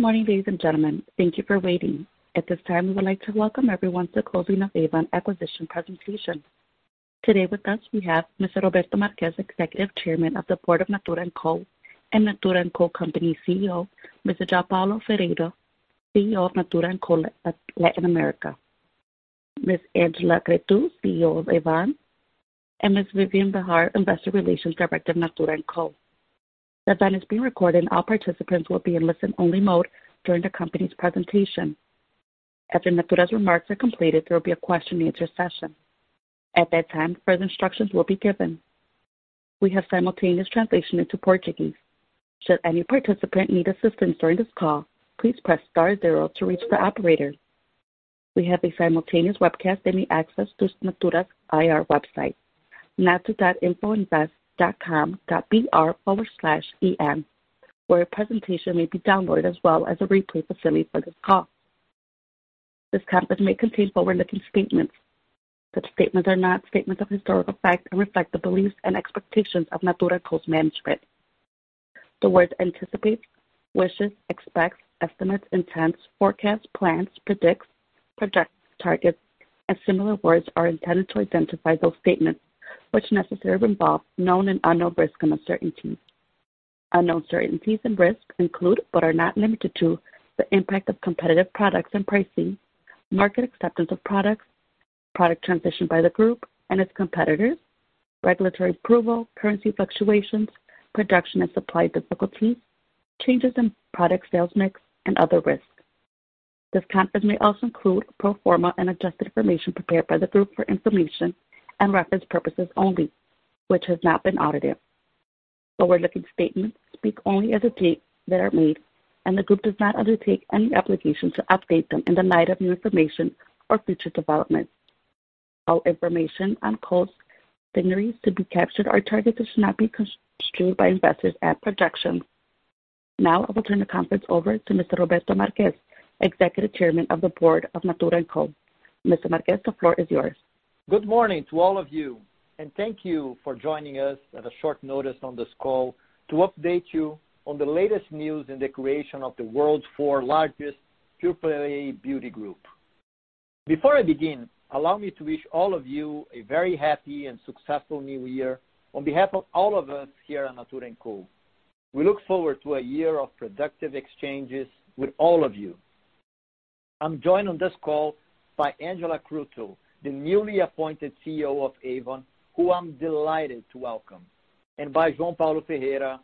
Good morning, ladies and gentlemen. Thank you for waiting. At this time, we would like to welcome everyone to closing of Avon Acquisition presentation. Today with us, we have Mr. Roberto Marques, Executive Chairman of the Board of Natura &Co., and Natura &Co. Company CEO, Mr. João Paulo Ferreira, CEO of Natura &Co. Latin America. Ms. Angela Cretu, CEO of Avon, and Ms. Viviane Behar, Investor Relations Director of Natura &Co. The event is being recorded, and all participants will be in listen-only mode during the company's presentation. After Natura's remarks are completed, there will be a question and answer session. At that time, further instructions will be given. We have simultaneous translation into Portuguese. Should any participant need assistance during this call, please press star zero to reach the operator. We have a simultaneous webcast that may access through Natura's IR website, ri.naturaeco.com/en/, where a presentation may be downloaded as well as a replay facility for this call. This conference may contain forward-looking statements. Such statements are not statements of historical fact and reflect the beliefs and expectations of Natura &Co.'s management. The words anticipate, wishes, expects, estimates, intends, forecasts, plans, predicts, projects, targets, and similar words are intended to identify those statements, which necessarily involve known and unknown risks and uncertainties. Unknown uncertainties and risks include, but are not limited to, the impact of competitive products and pricing, market acceptance of products, product transition by the group and its competitors, regulatory approval, currency fluctuations, production and supply difficulties, changes in product sales mix, and other risks. This conference may also include pro forma and adjusted information prepared by the group for information and reference purposes only, which has not been audited. Forward-looking statements speak only as of date they are made, and the group does not undertake any obligation to update them in the light of new information or future developments. All information on cost synergies to be captured or targeted should not be construed by investors as projections. Now, I will turn the conference over to Mr. Roberto Marques, Executive Chairman of the Board of Natura &Co. Mr. Marques, the floor is yours. Good morning to all of you, and thank you for joining us at a short notice on this call to update you on the latest news in the creation of the world's fourth-largest beauty group. Before I begin, allow me to wish all of you a very happy and successful New Year on behalf of all of us here at Natura &Co. We look forward to a year of productive exchanges with all of you. I'm joined on this call by Angela Cretu, the newly appointed CEO of Avon, who I'm delighted to welcome, and by João Paulo Ferreira,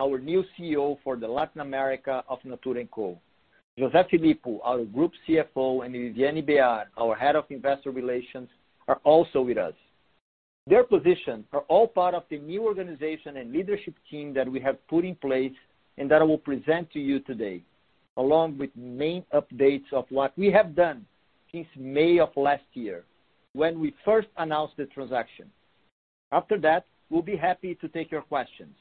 our new CEO for the Latin America of Natura &Co. José Filippo, our Group CFO, and Viviane Behar, our Head of Investor Relations, are also with us. Their positions are all part of the new organization and leadership team that we have put in place and that I will present to you today, along with main updates of what we have done since May of last year, when we first announced the transaction. After that, we'll be happy to take your questions.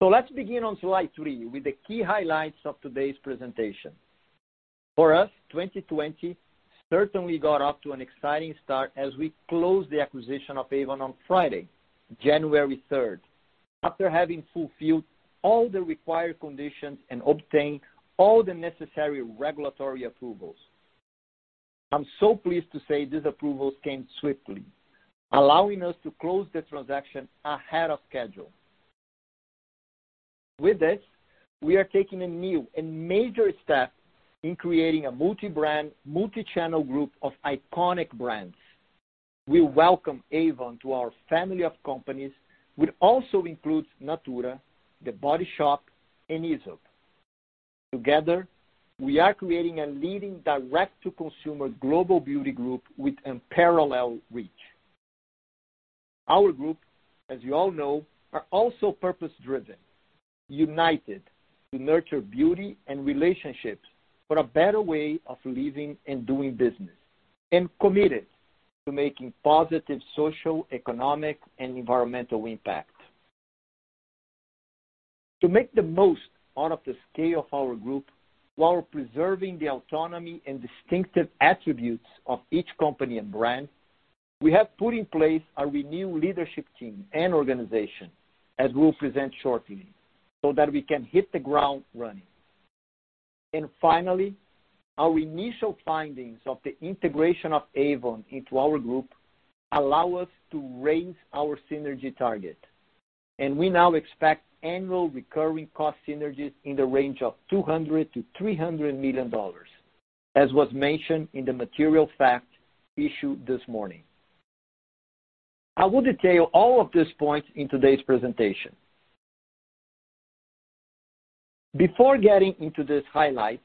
Let's begin on slide three with the key highlights of today's presentation. For us, 2020 certainly got off to an exciting start as we closed the acquisition of Avon on Friday, January 3rd, after having fulfilled all the required conditions and obtained all the necessary regulatory approvals. I'm so pleased to say these approvals came swiftly, allowing us to close the transaction ahead of schedule. With this, we are taking a new and major step in creating a multi-brand, multi-channel group of iconic brands. We welcome Avon to our family of companies, which also includes Natura, The Body Shop, and Aesop. Together, we are creating a leading direct-to-consumer global beauty group with unparalleled reach. Our group, as you all know, are also purpose-driven, united to nurture beauty and relationships for a better way of living and doing business, and committed to making positive social, economic, and environmental impact. To make the most out of the scale of our group while preserving the autonomy and distinctive attributes of each company and brand, we have put in place a renewed leadership team and organization, as we'll present shortly, so that we can hit the ground running. Finally, our initial findings of the integration of Avon into our group allow us to raise our synergy target, and we now expect annual recurring cost synergies in the range of $200 million-$300 million, as was mentioned in the material fact issue this morning. I will detail all of these points in today's presentation. Before getting into this highlight,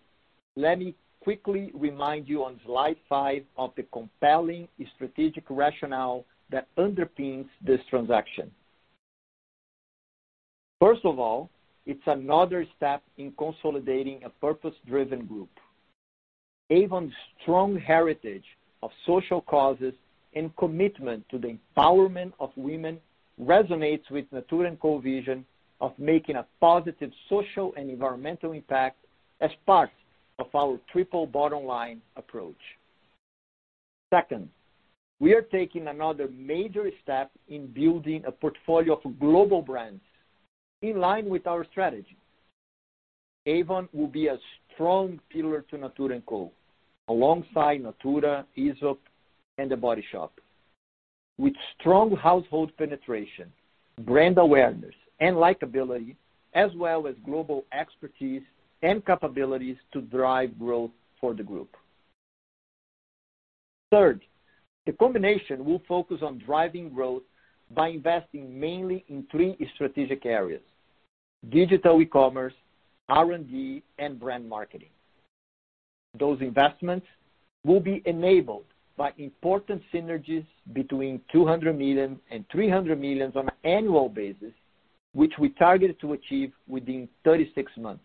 let me quickly remind you on slide five of the compelling strategic rationale that underpins this transaction. First of all, it's another step in consolidating a purpose-driven group. Avon's strong heritage of social causes and commitment to the empowerment of women resonates with Natura &Co.'s vision of making a positive social and environmental impact as part of our triple bottom line approach. Second, we are taking another major step in building a portfolio of global brands in line with our strategy. Avon will be a strong pillar to Natura &Co, alongside Natura, Aesop, and The Body Shop. With strong household penetration, brand awareness, and likability, as well as global expertise and capabilities to drive growth for the group. Third, the combination will focus on driving growth by investing mainly in three strategic areas: digital e-commerce, R&D, and brand marketing. Those investments will be enabled by important synergies between $200 million and $300 million on an annual basis, which we targeted to achieve within 36 months.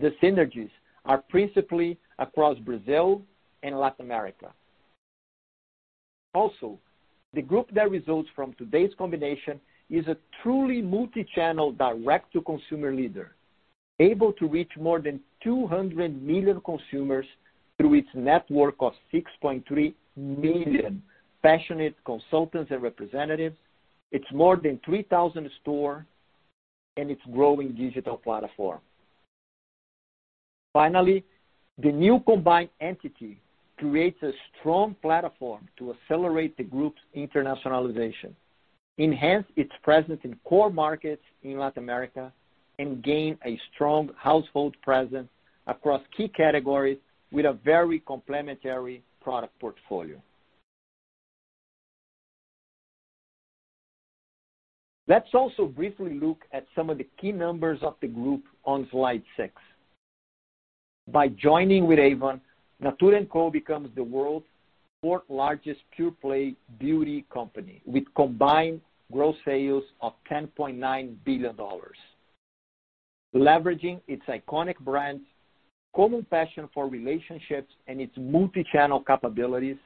The synergies are principally across Brazil and Latin America. Also, the group that results from today's combination is a truly multichannel direct-to-consumer leader, able to reach more than 200 million consumers through its network of 6.3 million passionate consultants and representatives, its more than 3,000 store, and its growing digital platform. Finally, the new combined entity creates a strong platform to accelerate the group's internationalization, enhance its presence in core markets in Latin America, and gain a strong household presence across key categories with a very complementary product portfolio. Let's also briefly look at some of the key numbers of the group on slide six. By joining with Avon, Natura &Co. becomes the world's fourth-largest pure-play beauty company, with combined growth sales of $10.9 billion. Leveraging its iconic brands, common passion for relationships, and its multichannel capabilities,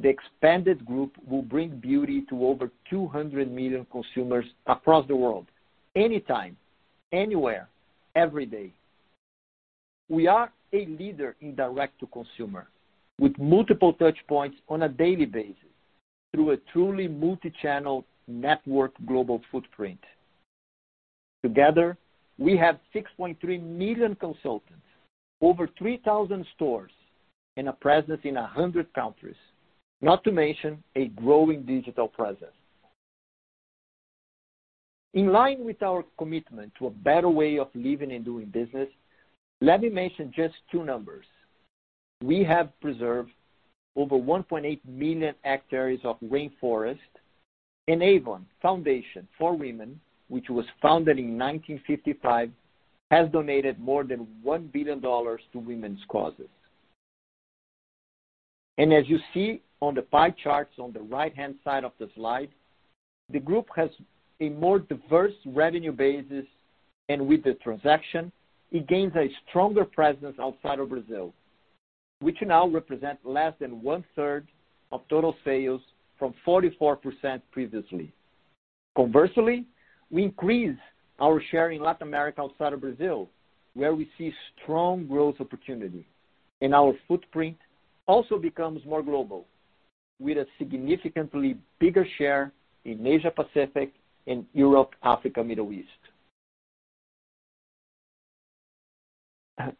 the expanded group will bring beauty to over 200 million consumers across the world, anytime, anywhere, every day. We are a leader in direct to consumer, with multiple touchpoints on a daily basis through a truly multichannel network global footprint. Together, we have 6.3 million consultants, over 3,000 stores, and a presence in 100 countries, not to mention a growing digital presence. In line with our commitment to a better way of living and doing business, let me mention just two numbers. We have preserved over 1.8 million hectares of rainforest. Avon Foundation for Women, which was founded in 1955, has donated more than $1 billion to women's causes. As you see on the pie charts on the right-hand side of the slide, the group has a more diverse revenue basis. With the transaction, it gains a stronger presence outside of Brazil, which now represents less than 1/3 of total sales from 44% previously. Conversely, we increase our share in Latin America outside of Brazil, where we see strong growth opportunity, and our footprint also becomes more global with a significantly bigger share in Asia Pacific and Europe, Africa, Middle East.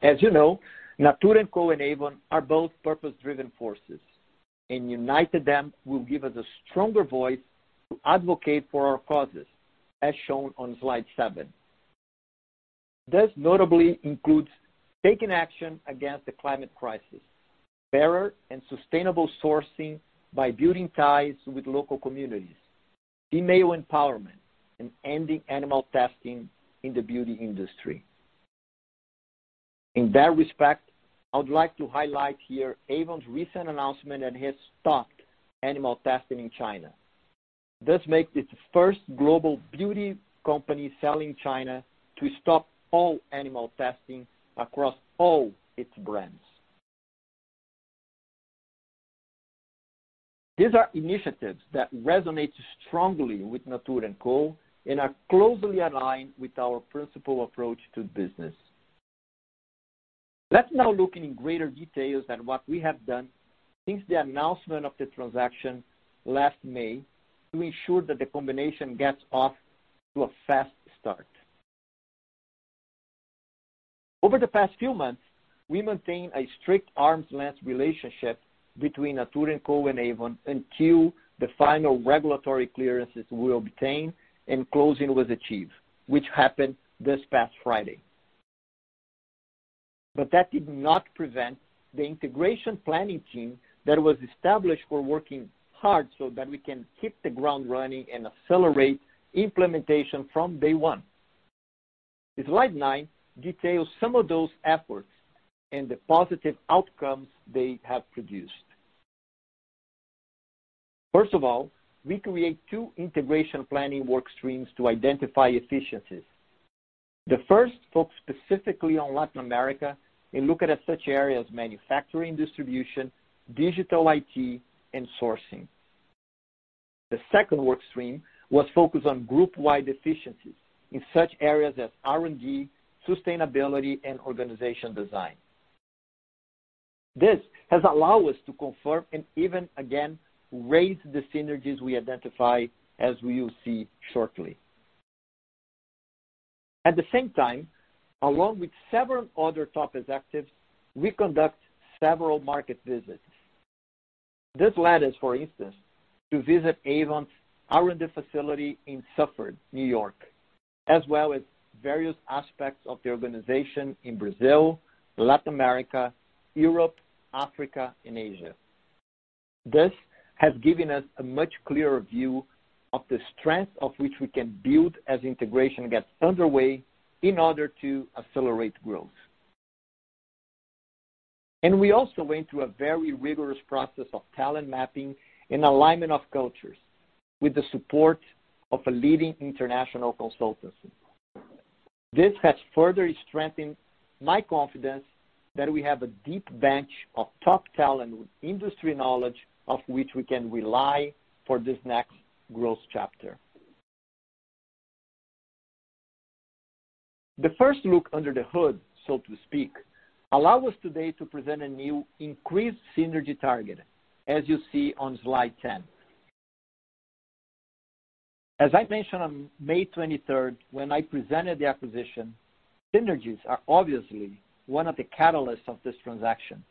As you know, Natura &Co and Avon are both purpose-driven forces, and united them will give us a stronger voice to advocate for our causes as shown on slide seven. This notably includes taking action against the climate crisis, fairer and sustainable sourcing by building ties with local communities, female empowerment, and ending animal testing in the beauty industry. In that respect, I would like to highlight here Avon's recent announcement that it has stopped animal testing in China, thus make this the first global beauty company selling in China to stop all animal testing across all its brands. These are initiatives that resonate strongly with Natura &Co. and are closely aligned with our principal approach to business. Let's now look in greater details at what we have done since the announcement of the transaction last May to ensure that the combination gets off to a fast start. Over the past few months, we maintain a strict arm's-length relationship between Natura &Co and Avon until the final regulatory clearances were obtained and closing was achieved, which happened this past Friday. That did not prevent the integration planning team that was established for working hard so that we can hit the ground running and accelerate implementation from day one. Slide nine details some of those efforts and the positive outcomes they have produced. First of all, we create two integration planning workstreams to identify efficiencies. The first focused specifically on Latin America and looked at such areas as manufacturing, distribution, digital IT, and sourcing. The second work stream was focused on group-wide efficiencies in such areas as R&D, sustainability, and organization design. This has allowed us to confirm and even, again, raise the synergies we identify, as we will see shortly. At the same time, along with several other top executives, we conduct several market visits. This led us, for instance, to visit Avon's R&D facility in Suffern, New York, as well as various aspects of the organization in Brazil, Latin America, Europe, Africa, and Asia. This has given us a much clearer view of the strength of which we can build as integration gets underway in order to accelerate growth. We also went through a very rigorous process of talent mapping and alignment of cultures with the support of a leading international consultancy. This has further strengthened my confidence that we have a deep bench of top talent with industry knowledge of which we can rely for this next growth chapter. The first look under the hood, so to speak, allow us today to present a new increased synergy target, as you see on slide 10. As I mentioned on May 23rd when I presented the acquisition, synergies are obviously one of the catalysts of this transaction,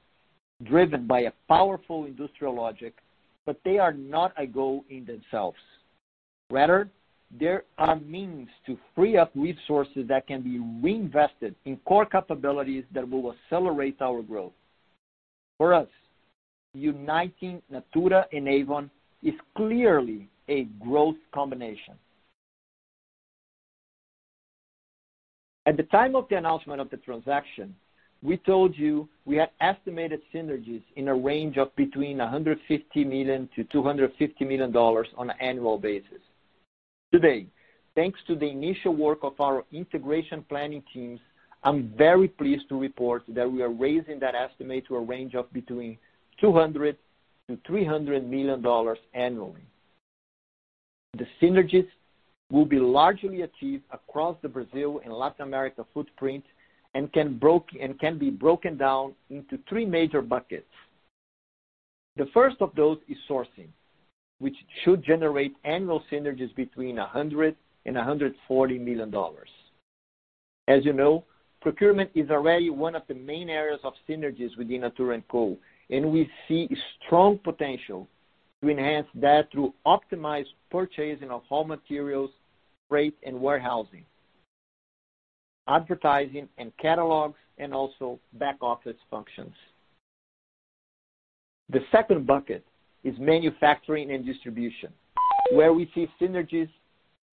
driven by a powerful industrial logic, but they are not a goal in themselves. Rather, they are means to free up resources that can be reinvested in core capabilities that will accelerate our growth. For us, uniting Natura and Avon is clearly a growth combination. At the time of the announcement of the transaction, we told you we had estimated synergies in a range of between $150 million-$250 million on an annual basis. Today, thanks to the initial work of our integration planning teams, I'm very pleased to report that we are raising that estimate to a range of between $200 million-$300 million annually. The synergies will be largely achieved across the Brazil and Latin America footprint and can be broken down into three major buckets. The first of those is sourcing, which should generate annual synergies between $100 million and $140 million. As you know, procurement is already one of the main areas of synergies within Natura &Co., we see strong potential to enhance that through optimized purchasing of raw materials, freight, and warehousing, advertising, and catalogs, and also back-office functions. The second bucket is manufacturing and distribution, where we see synergies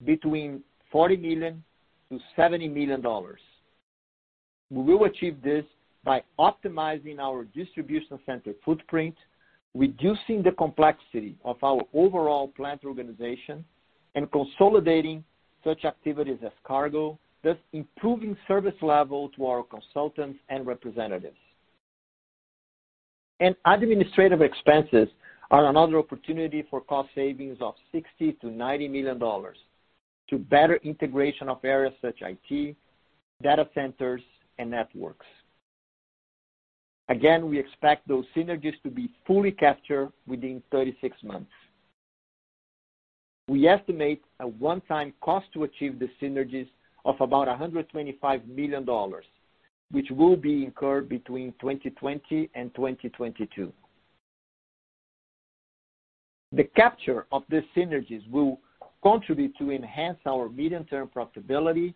between $40 million-$70 million. We will achieve this by optimizing our distribution center footprint, reducing the complexity of our overall plant organization, and consolidating such activities as cargo, thus improving service level to our consultants and representatives. Administrative expenses are another opportunity for cost savings of $60 million-$90 million to better integration of areas such IT, data centers, and networks. Again, we expect those synergies to be fully captured within 36 months. We estimate a one-time cost to achieve the synergies of about $125 million, which will be incurred between 2020 and 2022. The capture of these synergies will contribute to enhance our medium-term profitability,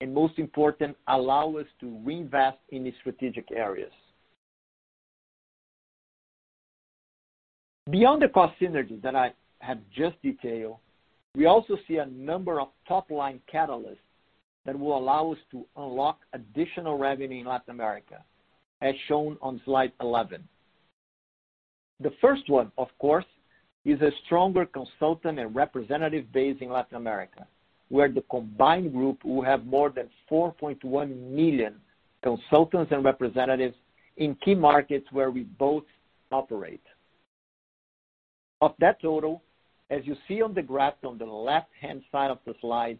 and most important, allow us to reinvest in the strategic areas. Beyond the cost synergies that I have just detailed, we also see a number of top-line catalysts that will allow us to unlock additional revenue in Latin America, as shown on slide 11. The first one, of course, is a stronger consultant and representative base in Latin America, where the combined group will have more than 4.1 million consultants and representatives in key markets where we both operate. Of that total, as you see on the graph on the left-hand side of the slide,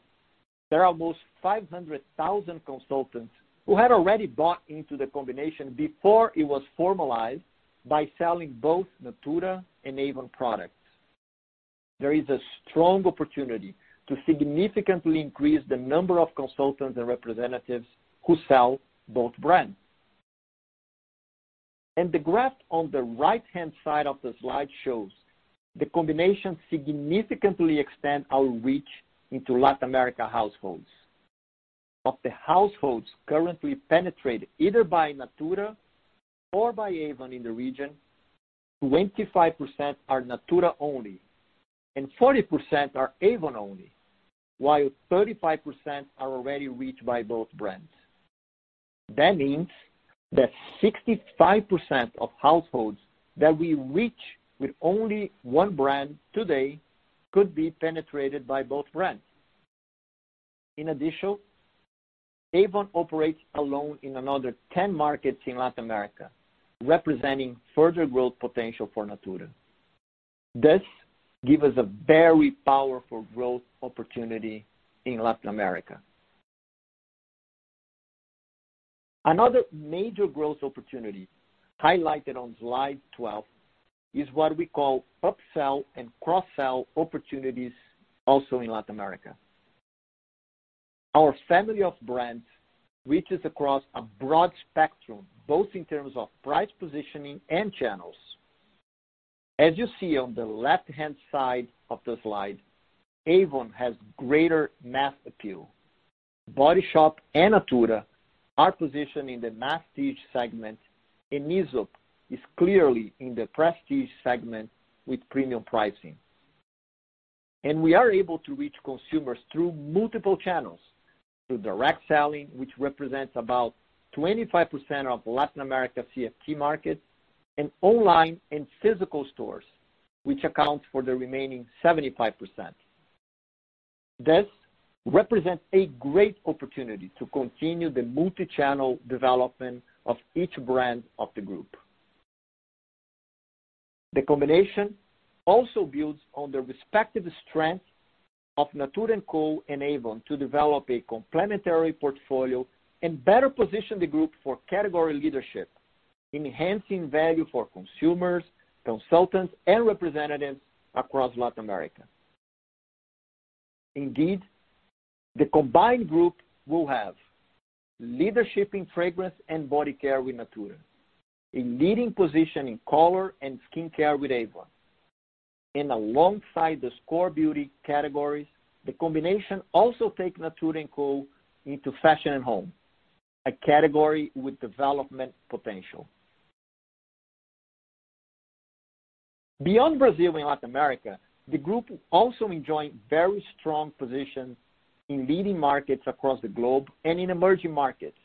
there are almost 500,000 consultants who had already bought into the combination before it was formalized by selling both Natura and Avon products. There is a strong opportunity to significantly increase the number of consultants and representatives who sell both brands. The graph on the right-hand side of the slide shows the combination significantly extend our reach into Latin America households. Of the households currently penetrated either by Natura or by Avon in the region, 25% are Natura only and 40% are Avon only, while 35% are already reached by both brands. That means that 65% of households that we reach with only one brand today could be penetrated by both brands. In addition, Avon operates alone in another 10 markets in Latin America, representing further growth potential for Natura. This gives us a very powerful growth opportunity in Latin America. Another major growth opportunity, highlighted on slide 12, is what we call upsell and cross-sell opportunities, also in Latin America. Our family of brands reaches across a broad spectrum, both in terms of price positioning and channels. As you see on the left-hand side of the slide, Avon has greater mass appeal. The Body Shop and Natura are positioned in the mass-prestige segment, and Aesop is clearly in the prestige segment with premium pricing. We are able to reach consumers through multiple channels: through direct selling, which represents about 25% of Latin America C&T market, and online and physical stores, which accounts for the remaining 75%. This represents a great opportunity to continue the multi-channel development of each brand of the group. The combination also builds on the respective strength of Natura &Co. Avon to develop a complementary portfolio and better position the group for category leadership, enhancing value for consumers, consultants, and representatives across Latin America. Indeed, the combined group will have leadership in fragrance and body care with Natura, a leading position in color and skincare with Avon. Alongside the core beauty categories, the combination also takes Natura &Co into fashion and home, a category with development potential. Beyond Brazil and Latin America, the group also enjoys very strong positions in leading markets across the globe and in emerging markets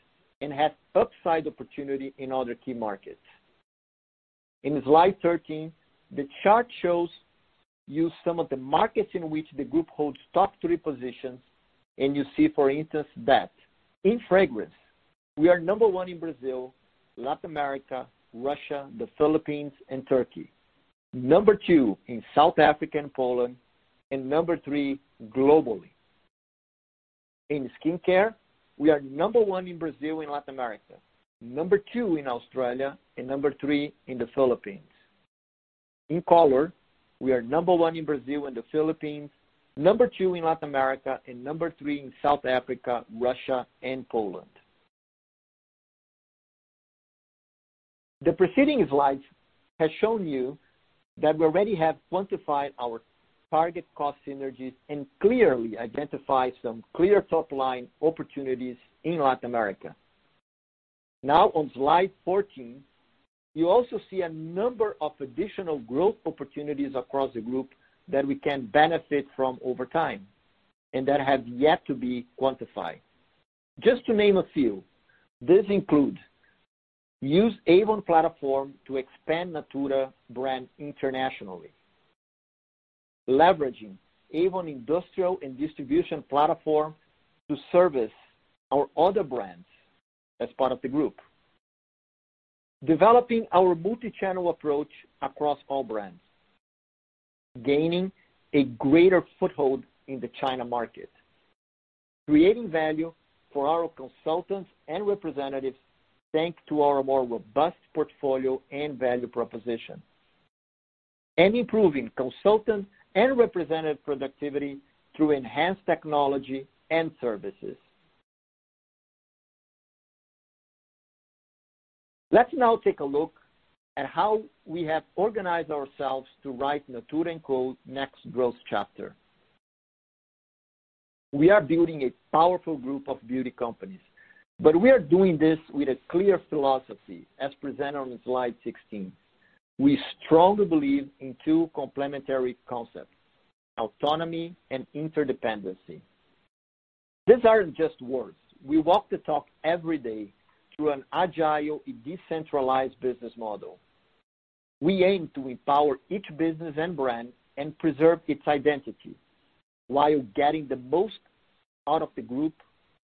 and has upside opportunity in other key markets. In slide 13, the chart shows you some of the markets in which the group holds top three positions, and you see, for instance, that in fragrance, we are number one in Brazil, Latin America, Russia, the Philippines, and Turkey, number two in South Africa and Poland, and number three globally. In skincare, we are number one in Brazil and Latin America, number two in Australia, and number three in the Philippines. In color, we are number one in Brazil and the Philippines, number two in Latin America, and number three in South Africa, Russia, and Poland. The preceding slides have shown you that we already have quantified our target cost synergies and clearly identified some clear top-line opportunities in Latin America. Now on slide 14, you also see a number of additional growth opportunities across the group that we can benefit from over time and that have yet to be quantified. Just to name a few, these include use Avon platform to expand Natura brand internationally, leveraging Avon industrial and distribution platform to service our other brands as part of the group, developing our multi-channel approach across all brands, gaining a greater foothold in the China market, creating value for our consultants and representatives thanks to our more robust portfolio and value proposition, and improving consultant and representative productivity through enhanced technology and services. Let's now take a look at how we have organized ourselves to write Natura &Co.'s next growth chapter. We are building a powerful group of beauty companies. We are doing this with a clear philosophy, as presented on slide 16. We strongly believe in two complementary concepts: autonomy and interdependency. These aren't just words. We walk the talk every day through an agile and decentralized business model. We aim to empower each business and brand and preserve its identity while getting the most out of the group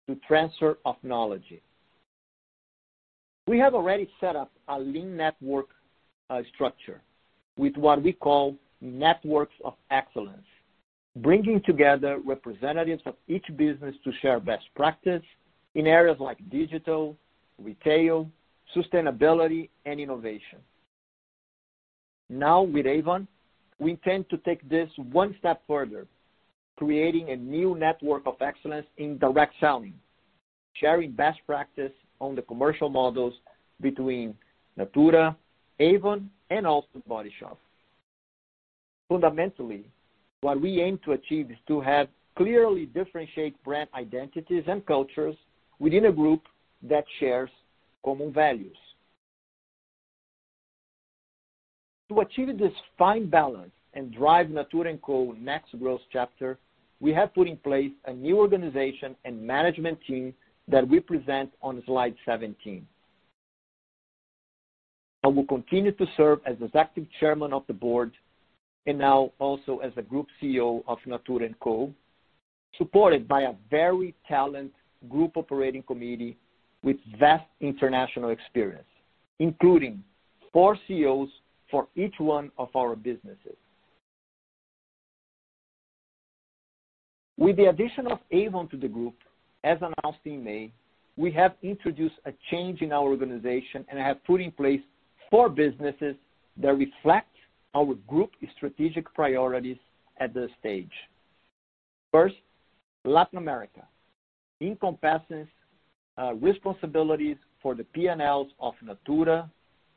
through transfer of knowledge. We have already set up a lean network structure with what we call networks of excellence, bringing together representatives of each business to share best practice in areas like digital, retail, sustainability, and innovation. Now, with Avon, we intend to take this one step further, creating a new network of excellence in direct selling, sharing best practice on the commercial models between Natura, Avon, and also The Body Shop. Fundamentally, what we aim to achieve is to have clearly differentiate brand identities and cultures within a group that shares common values. To achieve this fine balance and drive Natura &Co's next growth chapter, we have put in place a new organization and management team that we present on slide 17. I will continue to serve as Executive Chairman of the board, and now also as the Group CEO of Natura &Co, supported by a very talented group operating committee with vast international experience, including four CEOs for each one of our businesses. With the addition of Avon to the group, as announced in May, we have introduced a change in our organization and have put in place four businesses that reflect our group's strategic priorities at this stage. First, Latin America encompasses responsibilities for the P&Ls of Natura,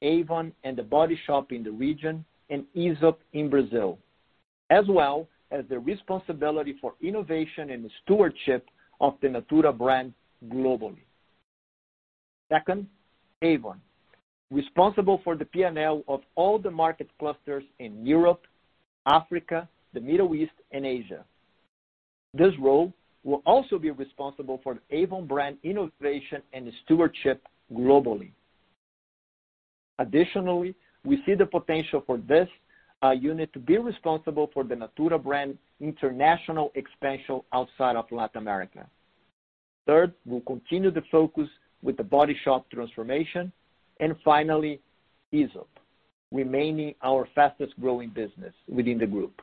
Avon, and The Body Shop in the region, and Aesop in Brazil, as well as the responsibility for innovation and stewardship of the Natura brand globally. Second, Avon, responsible for the P&L of all the market clusters in Europe, Africa, the Middle East, and Asia. This role will also be responsible for Avon brand innovation and stewardship globally. Additionally, we see the potential for this unit to be responsible for the Natura brand international expansion outside of Latin America. Third, we'll continue to focus with The Body Shop transformation. Finally, Aesop, remaining our fastest growing business within the group.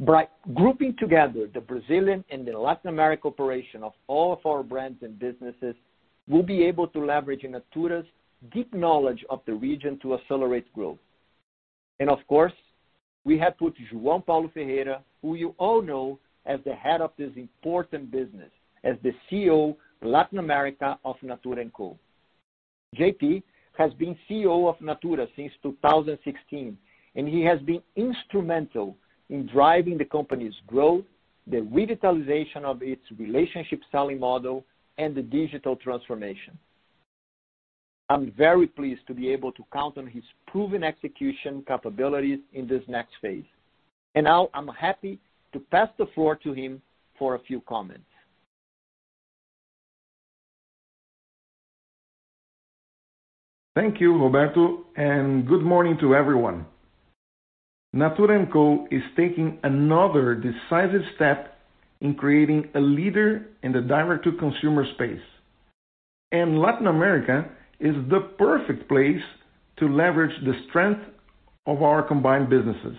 By grouping together the Brazilian and the Latin America operation of all of our brands and businesses, we'll be able to leverage Natura's deep knowledge of the region to accelerate growth. Of course, we have put João Paulo Ferreira, who you all know as the head of this important business, as the CEO, Latin America of Natura &Co. JP has been CEO of Natura since 2016. He has been instrumental in driving the company's growth, the revitalization of its relationship selling model, and the digital transformation. I'm very pleased to be able to count on his proven execution capabilities in this next phase. Now I'm happy to pass the floor to him for a few comments. Thank you, Roberto. Good morning to everyone. Natura &Co is taking another decisive step in creating a leader in the direct-to-consumer space. Latin America is the perfect place to leverage the strength of our combined businesses.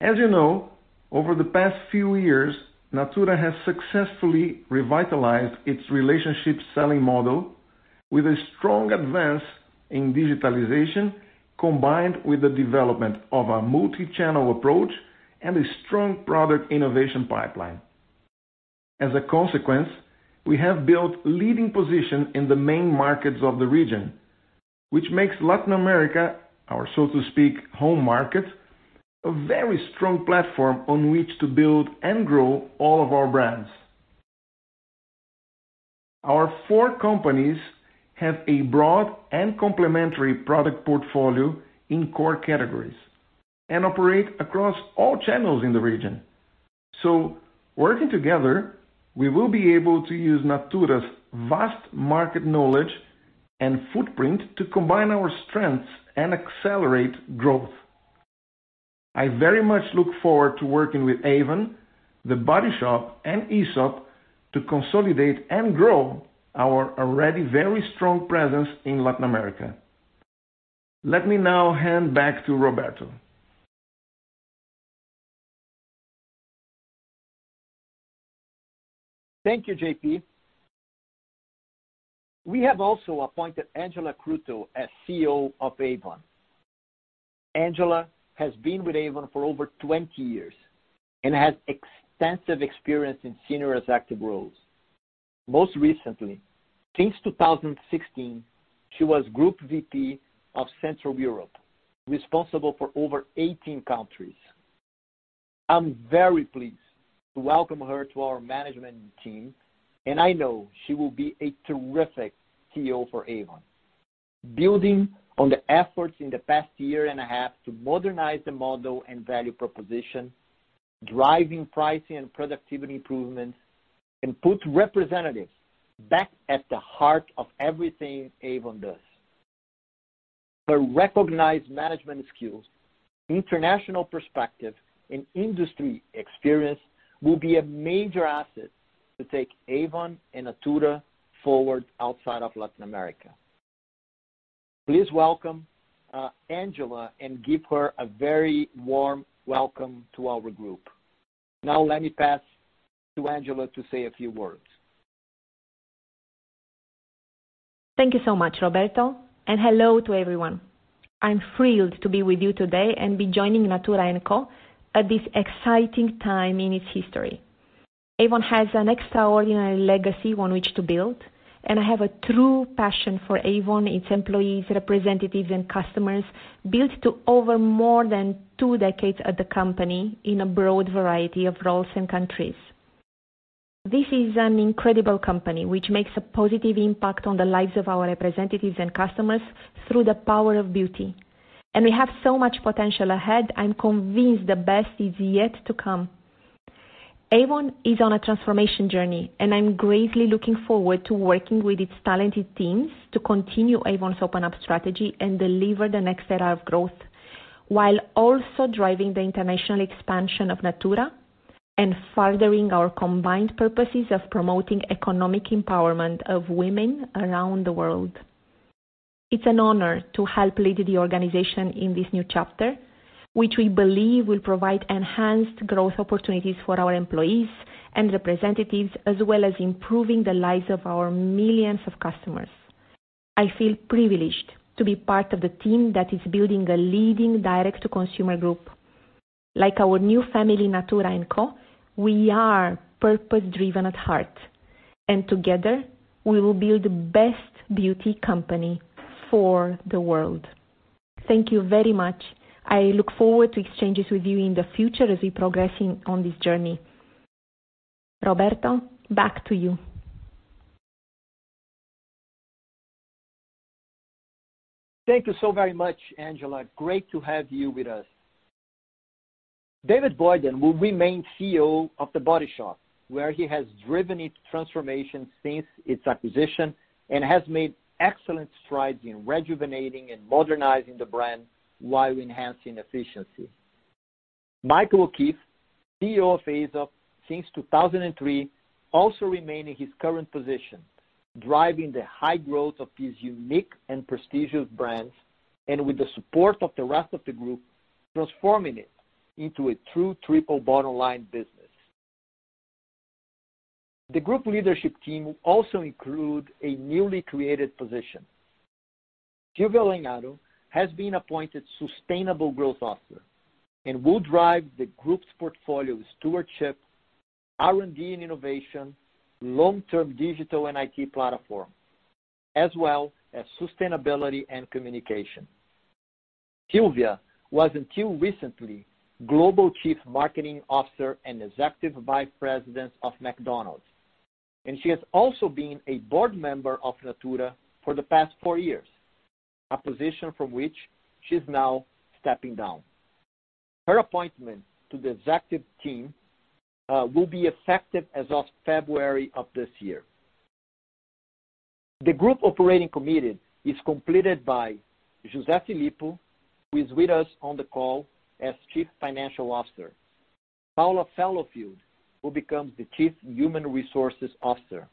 As you know, over the past few years, Natura has successfully revitalized its relationship selling model with a strong advance in digitalization, combined with the development of a multi-channel approach and a strong product innovation pipeline. As a consequence, we have built leading position in the main markets of the region, which makes Latin America our, so to speak, home market, a very strong platform on which to build and grow all of our brands. Our four companies have a broad and complementary product portfolio in core categories and operate across all channels in the region. Working together, we will be able to use Natura's vast market knowledge and footprint to combine our strengths and accelerate growth. I very much look forward to working with Avon, The Body Shop, and Aesop to consolidate and grow our already very strong presence in Latin America. Let me now hand back to Roberto. Thank you, JP. We have also appointed Angela Cretu as CEO of Avon. Angela has been with Avon for over 20 years and has extensive experience in senior executive roles. Most recently, since 2016, she was Group VP of Central Europe, responsible for over 18 countries. I'm very pleased to welcome her to our management team, and I know she will be a terrific CEO for Avon, building on the efforts in the past year and a half to modernize the model and value proposition, driving pricing and productivity improvements, and put representatives back at the heart of everything Avon does. Her recognized management skills, international perspective, and industry experience will be a major asset to take Avon and Natura forward outside of Latin America. Please welcome Angela and give her a very warm welcome to our group. Now let me pass to Angela to say a few words. Thank you so much, Roberto, and hello to everyone. I'm thrilled to be with you today and be joining Natura &Co at this exciting time in its history. Avon has an extraordinary legacy on which to build, and I have a true passion for Avon, its employees, representatives, and customers, built to over more than two decades at the company in a broad variety of roles and countries. This is an incredible company, which makes a positive impact on the lives of our representatives and customers through the power of beauty, and we have so much potential ahead, I'm convinced the best is yet to come. Avon is on a transformation journey, and I'm greatly looking forward to working with its talented teams to continue Avon's Open Up strategy and deliver the next era of growth, while also driving the international expansion of Natura and furthering our combined purposes of promoting economic empowerment of women around the world. It's an honor to help lead the organization in this new chapter, which we believe will provide enhanced growth opportunities for our employees and representatives, as well as improving the lives of our millions of customers. I feel privileged to be part of the team that is building a leading direct-to-consumer group. Like our new family, Natura &Co, we are purpose-driven at heart. Together we will build the best beauty company for the world. Thank you very much. I look forward to exchanges with you in the future as we progressing on this journey. Roberto, back to you. Thank you so very much, Angela. Great to have you with us. David Boynton will remain CEO of The Body Shop, where he has driven its transformation since its acquisition and has made excellent strides in rejuvenating and modernizing the brand while enhancing efficiency. Michael O'Keeffe, CEO of Aesop since 2003, also remain in his current position, driving the high growth of his unique and prestigious brands. With the support of the rest of the group, transforming it into a true triple bottom line business. The group leadership team will also include a newly created position. Silvia Lagnado has been appointed Sustainable Growth Officer and will drive the group's portfolio stewardship, R&D and innovation, long-term digital and IT platform, as well as sustainability and communication. Silvia was until recently Global Chief Marketing Officer and Executive Vice President of McDonald's. She has also been a board member of Natura for the past four years, a position from which she's now stepping down. Her appointment to the executive team will be effective as of February of this year. The group operating committee is completed by José Filippo, who is with us on the call as Chief Financial Officer. Paula Fallowfield, who becomes the Chief Human Resources Officer.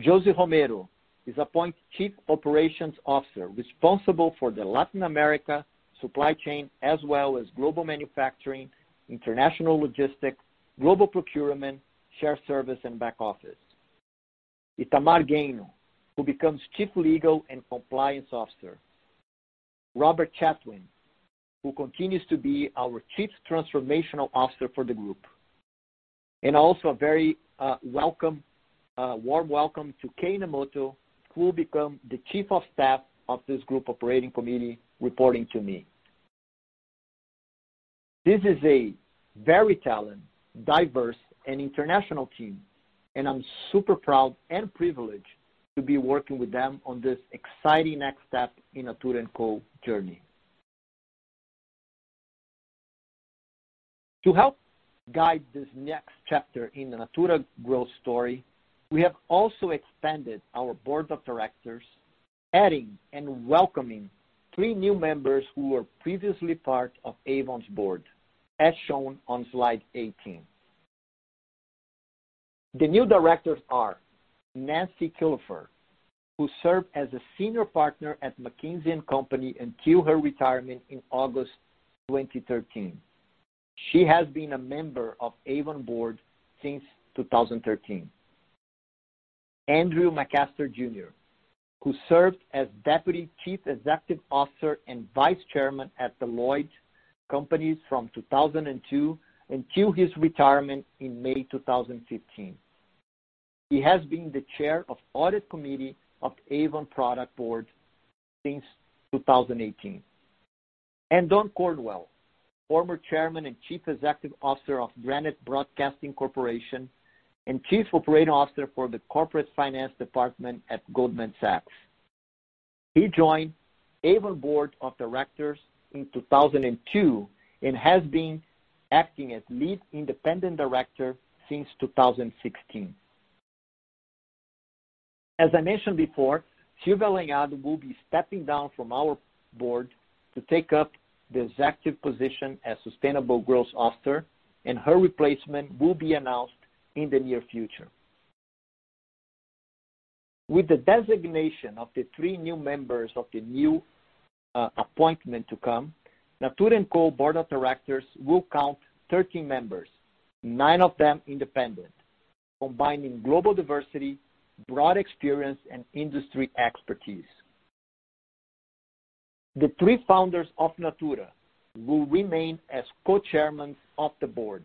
Josie Romero is appointed Chief Operations Officer, responsible for the Latin America supply chain as well as global manufacturing, international logistics, global procurement, shared service, and back office. Itamar Gaino who becomes Chief Legal and Compliance Officer. Robert Chatwin, who continues to be our Chief Transformational Officer for the group. Also a very warm welcome to Kay Nemoto, who will become the Chief of Staff of this group operating committee, reporting to me. This is a very talented, diverse, and international team, and I'm super proud and privileged to be working with them on this exciting next step in Natura &Co journey. To help guide this next chapter in the Natura growth story, we have also expanded our Board of Directors, adding and welcoming three new members who were previously part of Avon's board, as shown on slide 18. The new directors are Nancy Killefer, who served as a Senior Partner at McKinsey & Company until her retirement in August 2013. She has been a member of Avon board since 2013. Andrew McMaster Jr., who served as Deputy Chief Executive Officer and Vice Chairman at Deloitte from 2002 until his retirement in May 2015. He has been the Chair of Audit Committee of Avon Products Board since 2018. Don Cornwell, former Chairman and Chief Executive Officer of Granite Broadcasting Corporation and Chief Operating Officer for the corporate finance department at Goldman Sachs. He joined Avon Board of Directors in 2002 and has been acting as Lead Independent Director since 2016. As I mentioned before, Silvia Lagnado will be stepping down from our board to take up the executive position as Sustainable Growth Officer, and her replacement will be announced in the near future. With the designation of the three new members of the new appointment to come, Natura &Co Board of Directors will count 13 members, nine of them independent, combining global diversity, broad experience, and industry expertise. The three founders of Natura will remain as Co-Chairmen of the Board,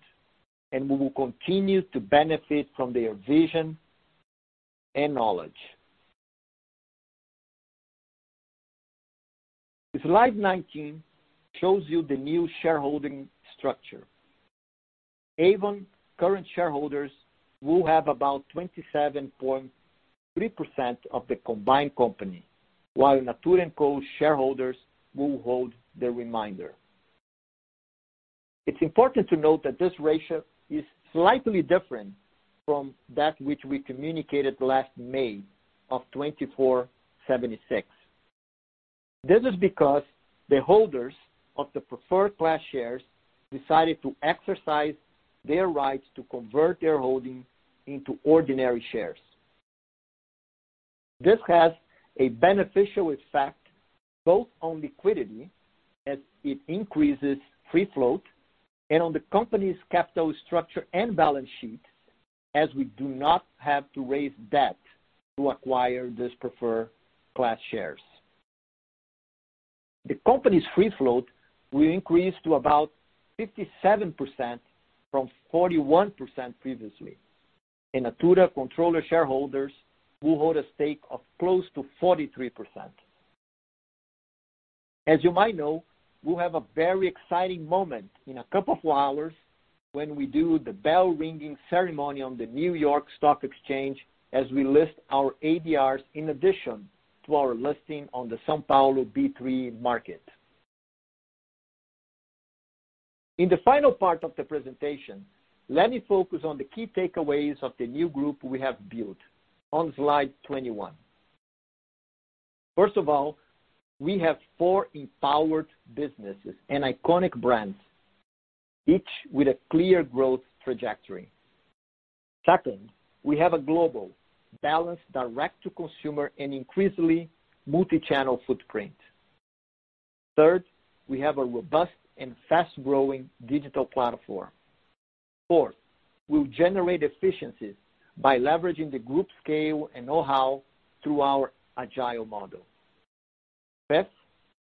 and we will continue to benefit from their vision and knowledge. Slide 19 shows you the new shareholding structure. Avon current shareholders will have about 27.93% of the combined company, while Natura &Co's shareholders will hold the remainder. It's important to note that this ratio is slightly different from that which we communicated last May of 24/76. This is because the holders of the preferred class shares decided to exercise their right to convert their holdings into ordinary shares. This has a beneficial effect both on liquidity, as it increases free float, and on the company's capital structure and balance sheet, as we do not have to raise debt to acquire these preferred class shares. The company's free float will increase to about 57% from 41% previously, and Natura controller shareholders will hold a stake of close to 43%. As you might know, we'll have a very exciting moment in a couple of hours when we do the bell-ringing ceremony on the New York Stock Exchange as we list our ADRs in addition to our listing on the São Paulo B3 market. In the final part of the presentation, let me focus on the key takeaways of the new group we have built on slide 21. First of all, we have four empowered businesses and iconic brands, each with a clear growth trajectory. Second, we have a global, balanced, direct-to-consumer, and increasingly multi-channel footprint. Third, we have a robust and fast-growing digital platform. Fourth, we'll generate efficiencies by leveraging the group's scale and know-how through our agile model. Fifth,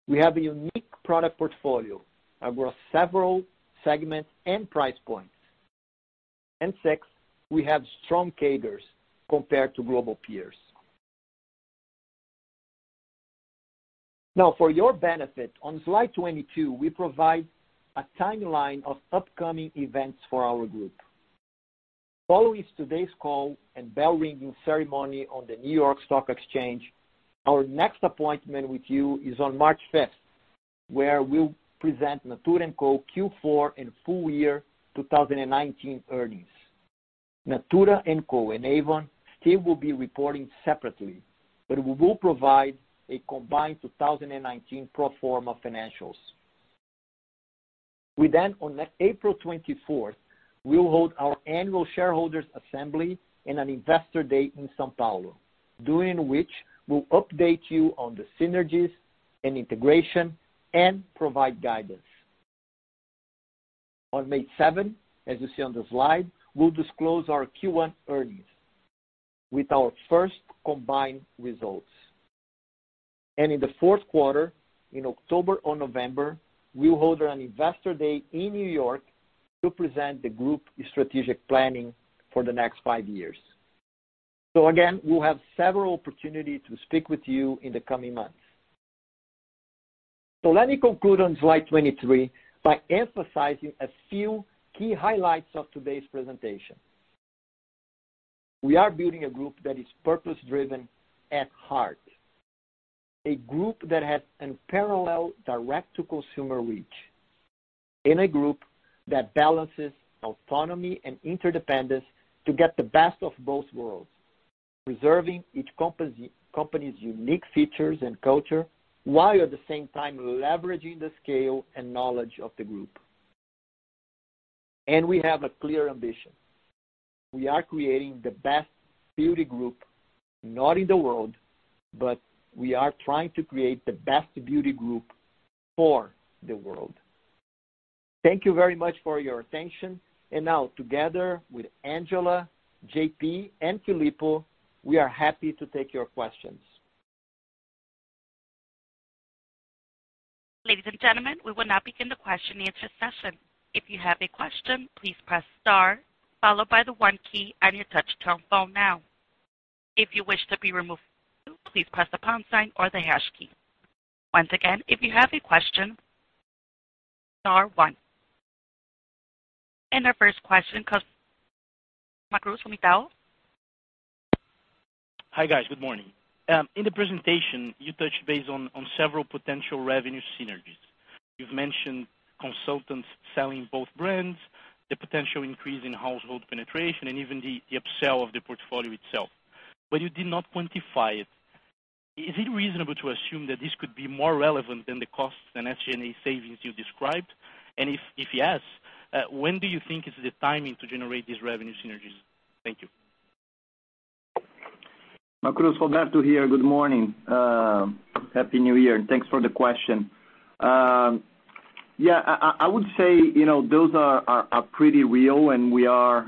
we have a unique product portfolio across several segments and price points. Sixth, we have strong CAGRs compared to global peers. Now, for your benefit, on slide 22, we provide a timeline of upcoming events for our group. Following today's call and bell-ringing ceremony on the New York Stock Exchange, our next appointment with you is on March 5th, where we'll present Natura &Co Q4 and full year 2019 earnings. Natura &Co and Avon still will be reporting separately, but we will provide a combined 2019 pro forma financials. We then, on April 24th, will hold our annual shareholders assembly and an investor day in São Paulo, during which we'll update you on the synergies and integration and provide guidance. On May 7, as you see on the slide, we'll disclose our Q1 earnings with our first combined results. In the fourth quarter, in October or November, we'll hold an investor day in New York to present the group strategic planning for the next five years. Again, we'll have several opportunities to speak with you in the coming months. Let me conclude on slide 23 by emphasizing a few key highlights of today's presentation. We are building a group that is purpose-driven at heart, a group that has unparalleled direct-to-consumer reach, and a group that balances autonomy and interdependence to get the best of both worlds, preserving each company's unique features and culture while at the same time leveraging the scale and knowledge of the group. We have a clear ambition. We are creating the best beauty group, not in the world, but we are trying to create the best beauty group for the world. Thank you very much for your attention. Now, together with Angela, JP, and Filippo, we are happy to take your questions. Ladies and gentlemen, we will now begin the question and answer session. If you have a question, please press star followed by the one key on your touch-tone phone now. If you wish to be removed, please press the pound sign or the hash key. Once again, if you have a question, star one. Our first question comes from Thiago Macruz from Itaú. Hi, guys. Good morning. In the presentation, you touched base on several potential revenue synergies. You've mentioned consultants selling both brands, the potential increase in household penetration, and even the upsell of the portfolio itself. You did not quantify it. Is it reasonable to assume that this could be more relevant than the costs and SG&A savings you described? If yes, when do you think is the timing to generate these revenue synergies? Thank you. Macruz, Roberto here. Good morning. Happy New Year, and thanks for the question. I would say those are pretty real, and we are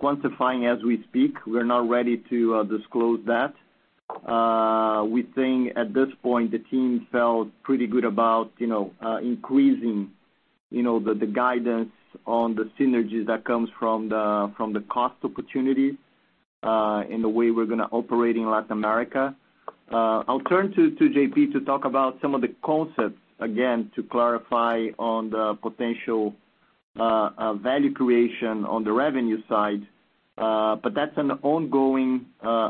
quantifying as we speak. We're not ready to disclose that. We think at this point, the team felt pretty good about increasing the guidance on the synergies that comes from the cost opportunity, and the way we're going to operate in Latin America. I'll turn to JP to talk about some of the concepts, again, to clarify on the potential value creation on the revenue side, but that's an ongoing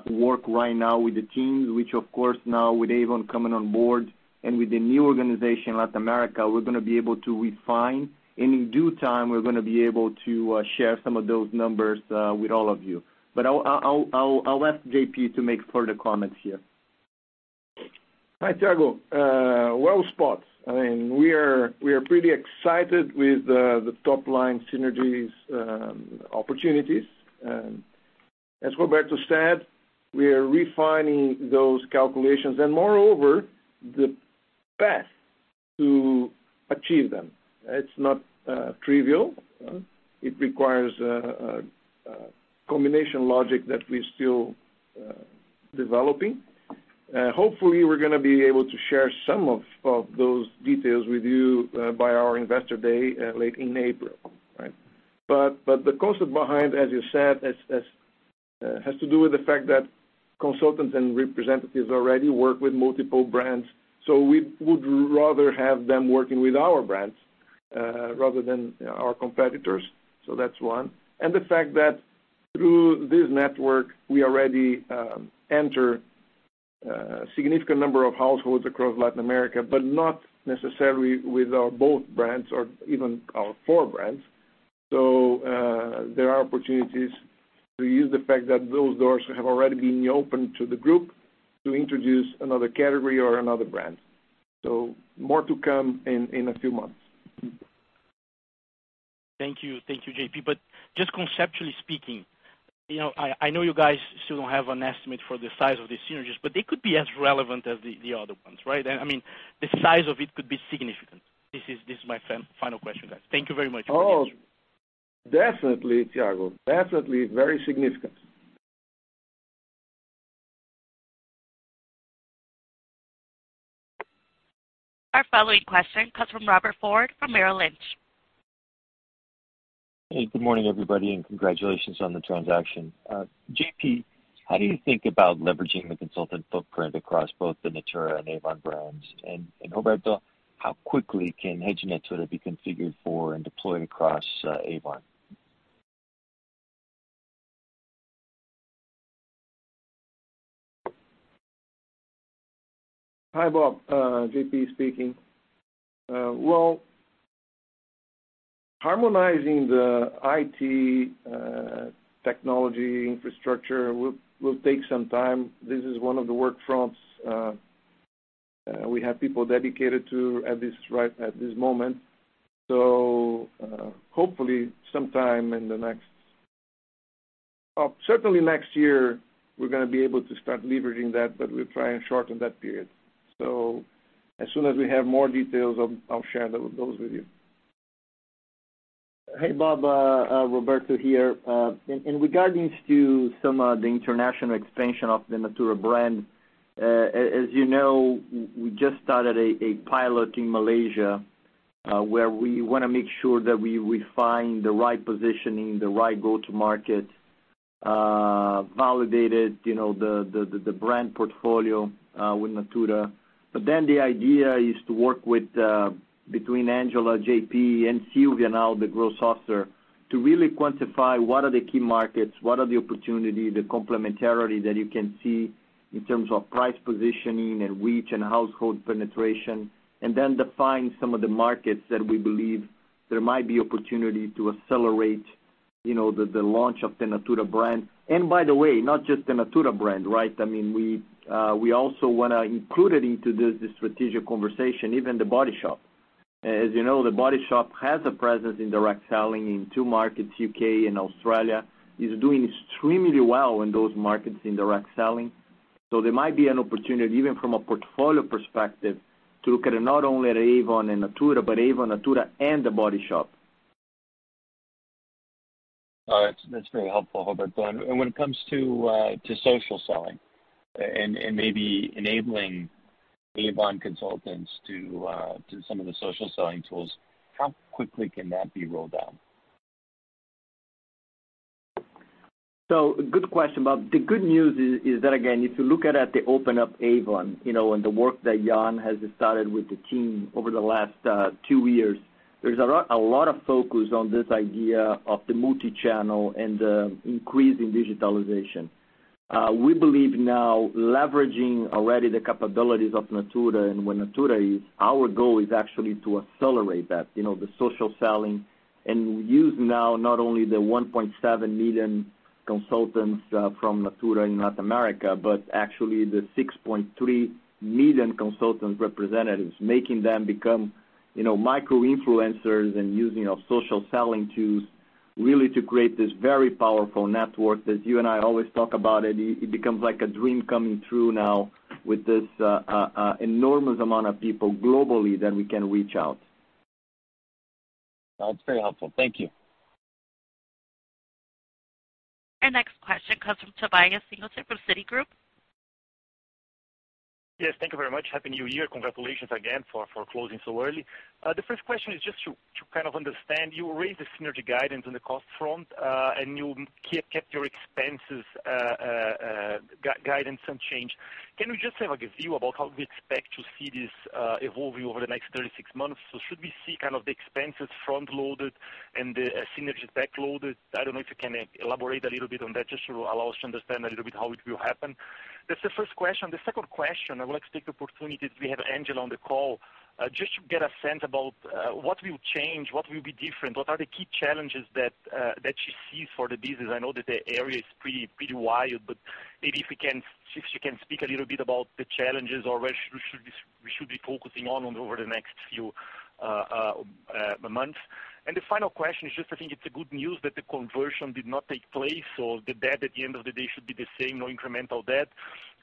work right now with the teams, which of course now with Avon coming on board and with the new organization in Latin America, we're going to be able to refine. In due time, we're going to be able to share some of those numbers with all of you. I'll ask JP to make further comments here. Hi, Thiago. Well spot. We are pretty excited with the top-line synergies opportunities. As Roberto said, we are refining those calculations, and moreover, the path to achieve them. It's not trivial. It requires a combination logic that we're still developing. Hopefully we're going to be able to share some of those details with you by our Investor Day late in April. The concept behind, as you said, has to do with the fact that consultants and representatives already work with multiple brands. We would rather have them working with our brands, rather than our competitors. That's one. The fact that through this network, we already enter a significant number of households across Latin America, but not necessarily with our both brands or even our four brands. There are opportunities to use the fact that those doors have already been opened to the group to introduce another category or another brand. More to come in a few months. Thank you. Thank you, JP. Just conceptually speaking, I know you guys still don't have an estimate for the size of these synergies, but they could be as relevant as the other ones, right? The size of it could be significant. This is my final question, guys. Thank you very much. Oh, definitely, Thiago. Definitely very significant. Our following question comes from Robert Ford from Merrill Lynch. Good morning, everybody, and congratulations on the transaction. JP, how do you think about leveraging the consultant footprint across both the Natura and Avon brands? Roberto, how quickly can hedging it sort of be configured for and deployed across Avon? Hi, Bob. JP speaking. Well, harmonizing the IT technology infrastructure will take some time. This is one of the work fronts we have people dedicated to at this moment. Hopefully sometime in certainly next year, we're going to be able to start leveraging that, but we'll try and shorten that period. As soon as we have more details, I'll share those with you. Hey, Bob. Roberto here. In regarding to some of the international expansion of the Natura brand, as you know, we just started a pilot in Malaysia, where we want to make sure that we refine the right positioning, the right go-to market, validate the brand portfolio with Natura. The idea is to work between Angela, JP, and Silvia now, the growth officer, to really quantify what are the key markets, what are the opportunity, the complementarity that you can see in terms of price positioning and reach and household penetration. Define some of the markets that we believe there might be opportunity to accelerate the launch of the Natura brand. By the way, not just the Natura brand, right? We also want to include it into this strategic conversation, even The Body Shop. As you know, The Body Shop has a presence in direct selling in two markets, U.K. and Australia. It's doing extremely well in those markets in direct selling. There might be an opportunity, even from a portfolio perspective, to look at not only at Avon and Natura, but Avon, Natura, and The Body Shop. That's very helpful, Roberto. When it comes to social selling and maybe enabling Avon consultants to some of the social selling tools, how quickly can that be rolled out? Good question, Bob. The good news is that, again, if you look at the Open Up Avon, and the work that Jan has started with the team over the last two years, there's a lot of focus on this idea of the multi-channel and the increase in digitalization. We believe now leveraging already the capabilities of Natura and where Natura is, our goal is actually to accelerate that, the social selling, and use now not only the 1.7 million consultants from Natura in Latin America, but actually the 6.3 million consultant representatives, making them become micro-influencers and using our social selling tools really to create this very powerful network. As you and I always talk about it becomes like a dream coming true now with this enormous amount of people globally that we can reach out. That's very helpful. Thank you. Our next question comes from Tobias Stingelin from Citigroup. Yes, thank you very much. Happy New Year. Congratulations again for closing so early. The first question is just to kind of understand, you raised the synergy guidance on the cost front, and you kept your expenses guidance unchanged. Can we just have a view about how we expect to see this evolving over the next 36 months? Should we see kind of the expenses front-loaded and the synergies back-loaded? I don't know if you can elaborate a little bit on that, just to allow us to understand a little bit how it will happen. That's the first question. The second question, I would like to take the opportunity since we have Angela on the call, just to get a sense about what will change, what will be different, what are the key challenges that she sees for the business? I know that the area is pretty wide, but maybe if she can speak a little bit about the challenges or where we should be focusing on over the next few months. The final question is just I think it's a good news that the conversion did not take place, so the debt at the end of the day should be the same, no incremental debt.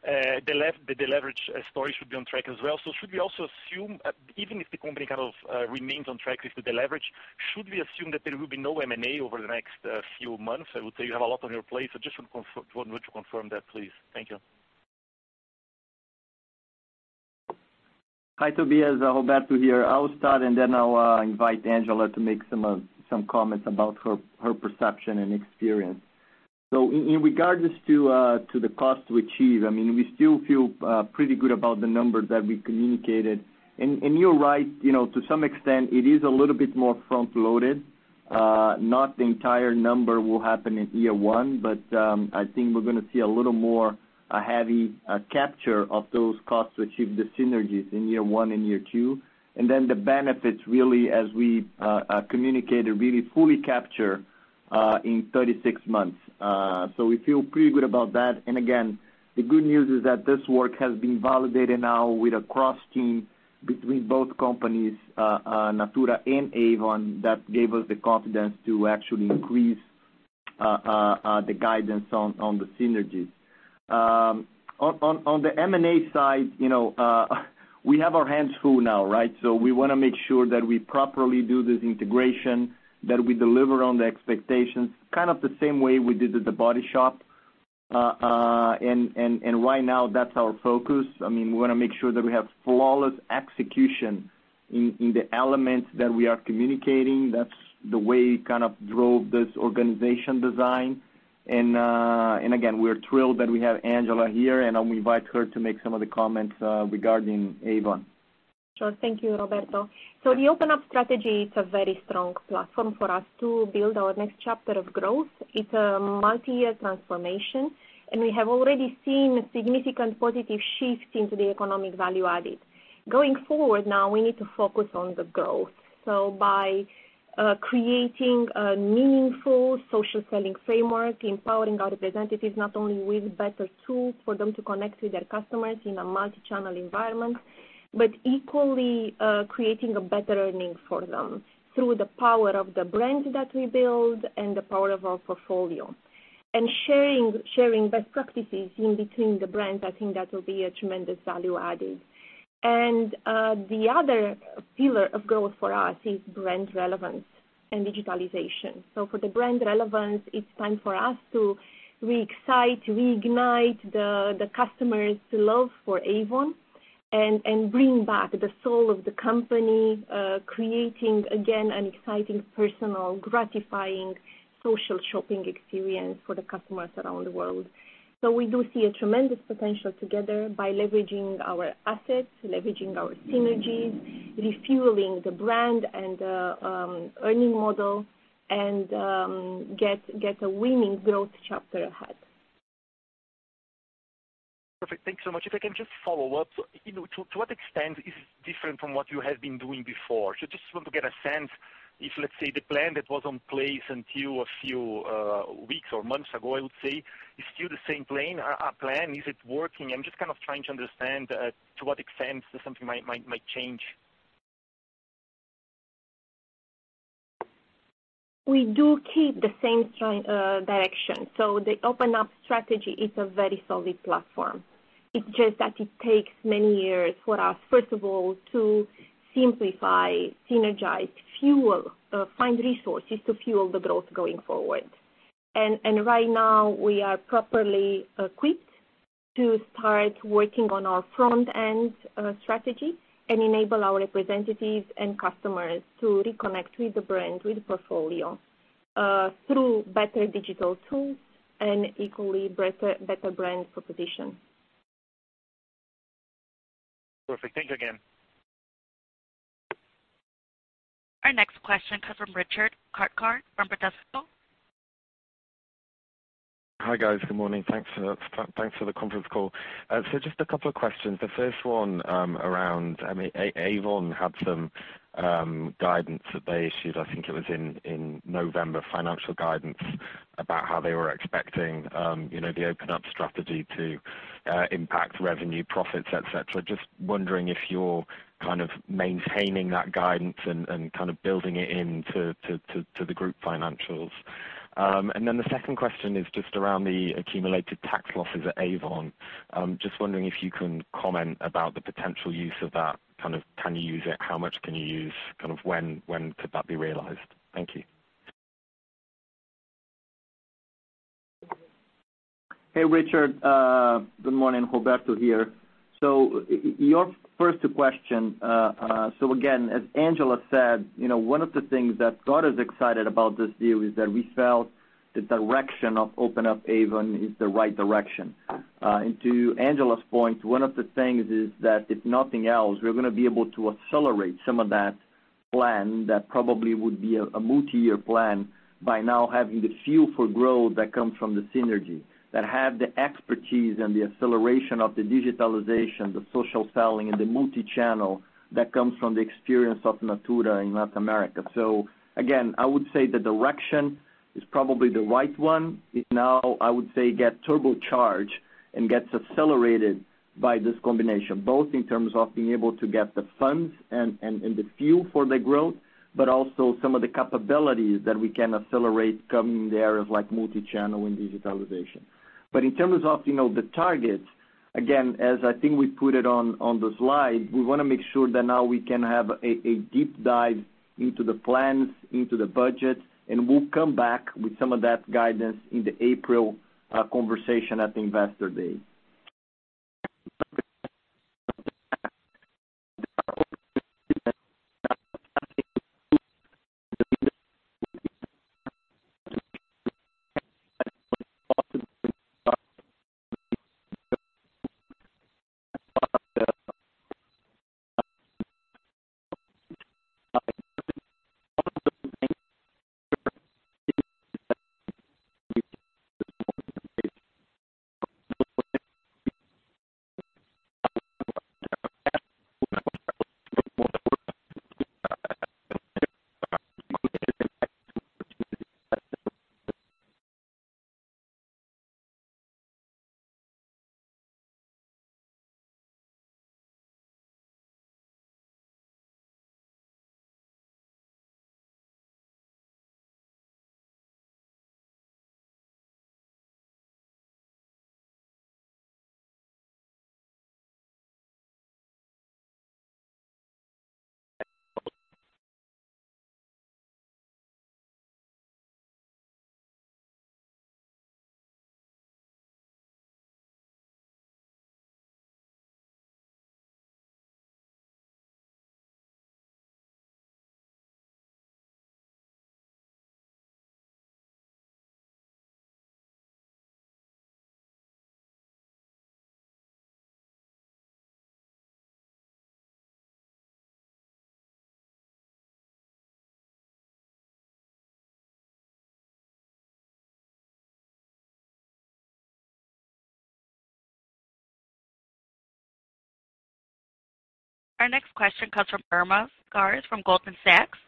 The leverage story should be on track as well. Should we also assume, even if the company kind of remains on track with the leverage, should we assume that there will be no M&A over the next few months? I would say you have a lot on your plate, so just wanted to confirm that, please. Thank you. Hi, Tobias, Roberto here. I'll start, and then I'll invite Angela to make some comments about her perception and experience. In regards to the cost to achieve, we still feel pretty good about the numbers that we communicated. You're right, to some extent, it is a little bit more front-loaded. Not the entire number will happen in year one, but I think we're going to see a little more heavy capture of those costs to achieve the synergies in year one and year two. Then the benefits really, as we communicated, really fully capture in 36 months. We feel pretty good about that. Again, the good news is that this work has been validated now with a cross team between both companies, Natura and Avon, that gave us the confidence to actually increase the guidance on the synergies. On the M&A side, we have our hands full now, right? We want to make sure that we properly do this integration, that we deliver on the expectations, kind of the same way we did at The Body Shop. Right now, that's our focus. We want to make sure that we have flawless execution in the elements that we are communicating. That's the way kind of drove this organization design. Again, we're thrilled that we have Angela here, and I'll invite her to make some of the comments regarding Avon. Sure. Thank you, Roberto. The Open Up strategy is a very strong platform for us to build our next chapter of growth. It's a multi-year transformation, and we have already seen significant positive shifts into the economic value added. Going forward now, we need to focus on the growth. By creating a meaningful social selling framework, empowering our representatives, not only with better tools for them to connect with their customers in a multi-channel environment, but equally creating a better earning for them through the power of the brands that we build and the power of our portfolio. Sharing best practices in between the brands, I think that will be a tremendous value added. The other pillar of growth for us is brand relevance and digitalization. For the brand relevance, it's time for us to re-excite, reignite the customers' love for Avon and bring back the soul of the company, creating, again, an exciting personal, gratifying social shopping experience for the customers around the world. We do see a tremendous potential together by leveraging our assets, leveraging our synergies, refueling the brand and the earning model, and get a winning growth chapter ahead. Perfect. Thanks so much. If I can just follow up, to what extent is this different from what you have been doing before? Just want to get a sense if, let's say, the plan that was in place until a few weeks or months ago, I would say, is still the same plan. Is it working? I'm just kind of trying to understand to what extent something might change. We do keep the same direction. The Open Up strategy is a very solid platform. It's just that it takes many years for us, first of all, to simplify, synergize, fuel, find resources to fuel the growth going forward. Right now, we are properly equipped to start working on our front-end strategy and enable our representatives and customers to reconnect with the brand, with the portfolio, through better digital tools and equally better brand proposition. Perfect. Thank you again. Our next question comes from Richard Cathcart from Bradesco. Hi, guys. Good morning. Thanks for the conference call. Just a couple of questions. The first one around, Avon had some guidance that they issued, I think it was in November, financial guidance about how they were expecting the Open Up strategy to impact revenue, profits, et cetera. Just wondering if you're kind of maintaining that guidance and kind of building it into the group financials. The second question is just around the accumulated tax losses at Avon. Just wondering if you can comment about the potential use of that, kind of can you use it? How much can you use? Kind of when could that be realized? Thank you. Hey, Richard. Good morning. Roberto here. Your first question. Again, as Angela said, one of the things that got us excited about this deal is that we felt the direction of Open Up Avon is the right direction. To Angela's point, one of the things is that, if nothing else, we're going to be able to accelerate some of that plan that probably would be a multi-year plan by now having the fuel for growth that comes from the synergy, that have the expertise and the acceleration of the digitalization, the social selling, and the multi-channel that comes from the experience of Natura in Latin America. Again, I would say the direction is probably the right one. It now, I would say, get turbocharge and gets accelerated by this combination, both in terms of being able to get the funds and the fuel for the growth, also some of the capabilities that we can accelerate coming in the areas like multi-channel and digitalization. In terms of the targets, again, as I think we put it on the slide, we want to make sure that now we can have a deep dive into the plans, into the budget, and we'll come back with some of that guidance in the April conversation at the Investor Day. Our next question comes from Irma Sgarz from Goldman Sachs.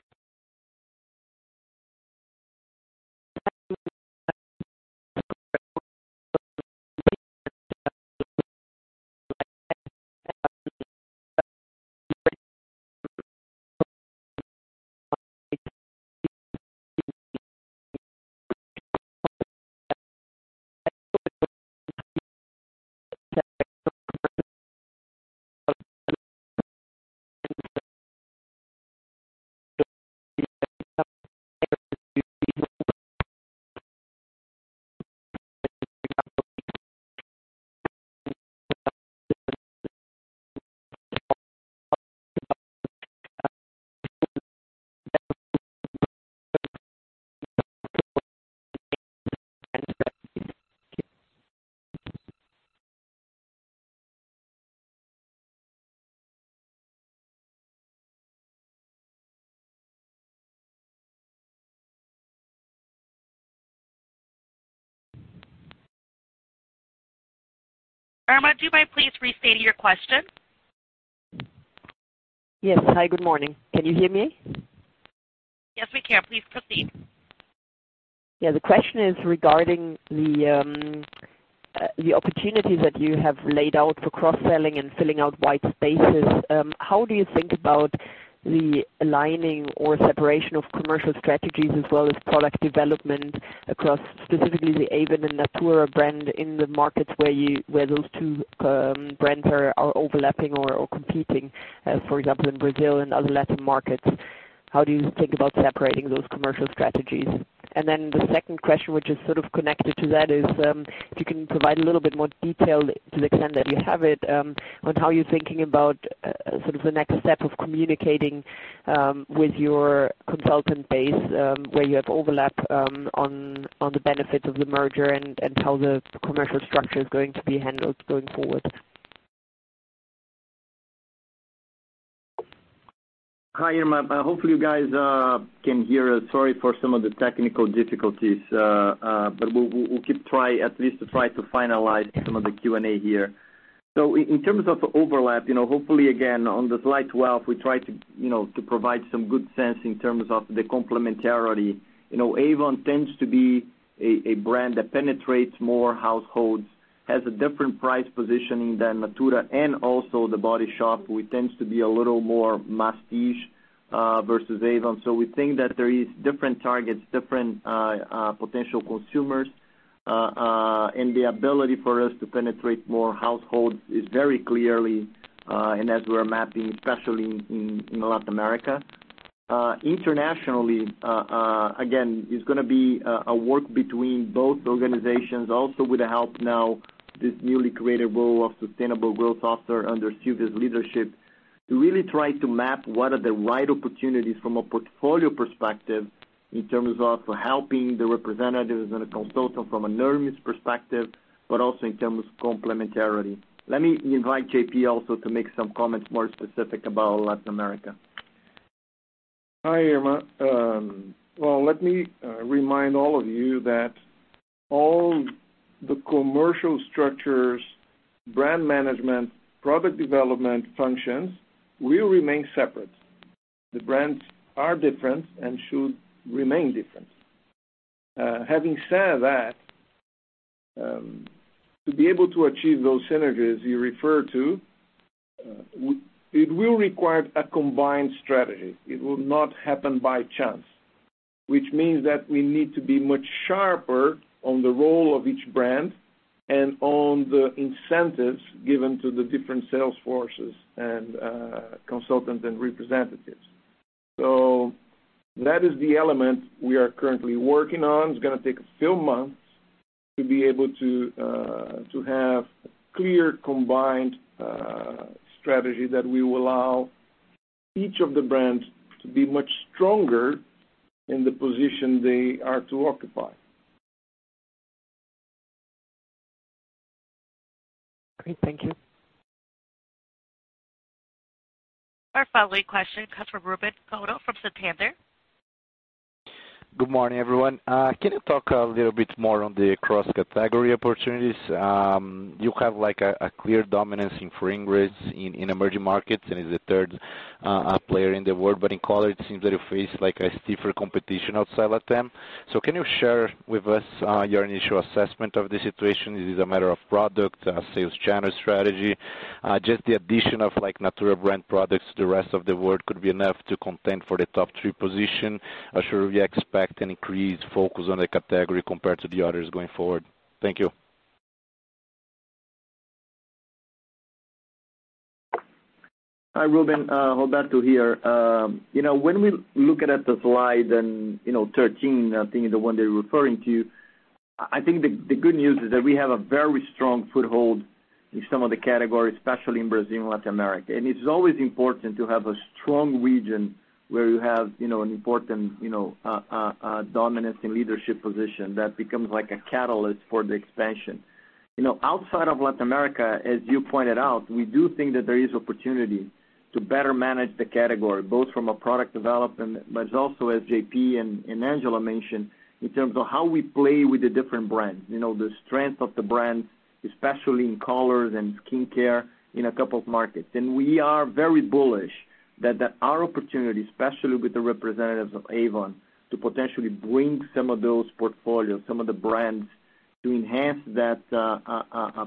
Irma, do you mind please restating your question? Yes. Hi, good morning. Can you hear me? Yes, we can. Please proceed. Yeah, the question is regarding the opportunities that you have laid out for cross-selling and filling out white spaces. How do you think about the aligning or separation of commercial strategies as well as product development across specifically the Avon and Natura brand in the markets where those two brands are overlapping or competing, for example, in Brazil and other Latin markets? How do you think about separating those commercial strategies? The second question, which is sort of connected to that, is if you can provide a little bit more detail to the extent that you have it, on how you're thinking about sort of the next step of communicating with your consultant base where you have overlap on the benefits of the merger and how the commercial structure is going to be handled going forward. Hi, Irma. Hopefully, you guys can hear us. Sorry for some of the technical difficulties. We'll at least try to finalize some of the Q&A here. In terms of overlap, hopefully, again, on the slide 12, we try to provide some good sense in terms of the complementarity. Avon tends to be a brand that penetrates more households, has a different price positioning than Natura and also The Body Shop, which tends to be a little more masstige versus Avon. We think that there is different targets, different potential consumers. The ability for us to penetrate more households is very clearly, and as we're mapping, especially in Latin America, internationally, again, it's going to be a work between both organizations, also with the help now, this newly created role of Sustainable Growth Officer under Silvia's leadership, to really try to map what are the right opportunities from a portfolio perspective in terms of helping the representatives and the consultants from an earnings perspective, but also in terms of complementarity. Let me invite JP also to make some comments more specific about Latin America. Hi, Irma. Well, let me remind all of you that all the commercial structures, brand management, product development functions will remain separate. The brands are different and should remain different. Having said that, to be able to achieve those synergies you refer to, it will require a combined strategy. It will not happen by chance. Which means that we need to be much sharper on the role of each brand and on the incentives given to the different sales forces and consultants and representatives. That is the element we are currently working on. It's going to take a few months to be able to have a clear combined strategy that will allow each of the brands to be much stronger in the position they are to occupy. Great. Thank you. Our following question comes from Ruben Couto from Santander. Good morning, everyone. Can you talk a little bit more on the cross-category opportunities? You have a clear dominance in fragrance in emerging markets, and is the third player in the world. In color, it seems that you face a stiffer competition outside LATAM. Can you share with us your initial assessment of the situation? Is it a matter of product, sales channel strategy? Just the addition of Natura products to the rest of the world could be enough to contend for the top three position. Should we expect an increased focus on the category compared to the others going forward? Thank you. Hi, Ruben. Roberto here. When we look at the slide 13, I think is the one they're referring to, I think the good news is that we have a very strong foothold in some of the categories, especially in Brazil and Latin America. It's always important to have a strong region where you have an important dominance in leadership position that becomes like a catalyst for the expansion. Outside of Latin America, as you pointed out, we do think that there is opportunity to better manage the category, both from a product development, but also as JP and Angela mentioned, in terms of how we play with the different brands, the strength of the brands, especially in colors and skincare in a couple of markets. We are very bullish that our opportunity, especially with the representatives of Avon, to potentially bring some of those portfolios, some of the brands to enhance that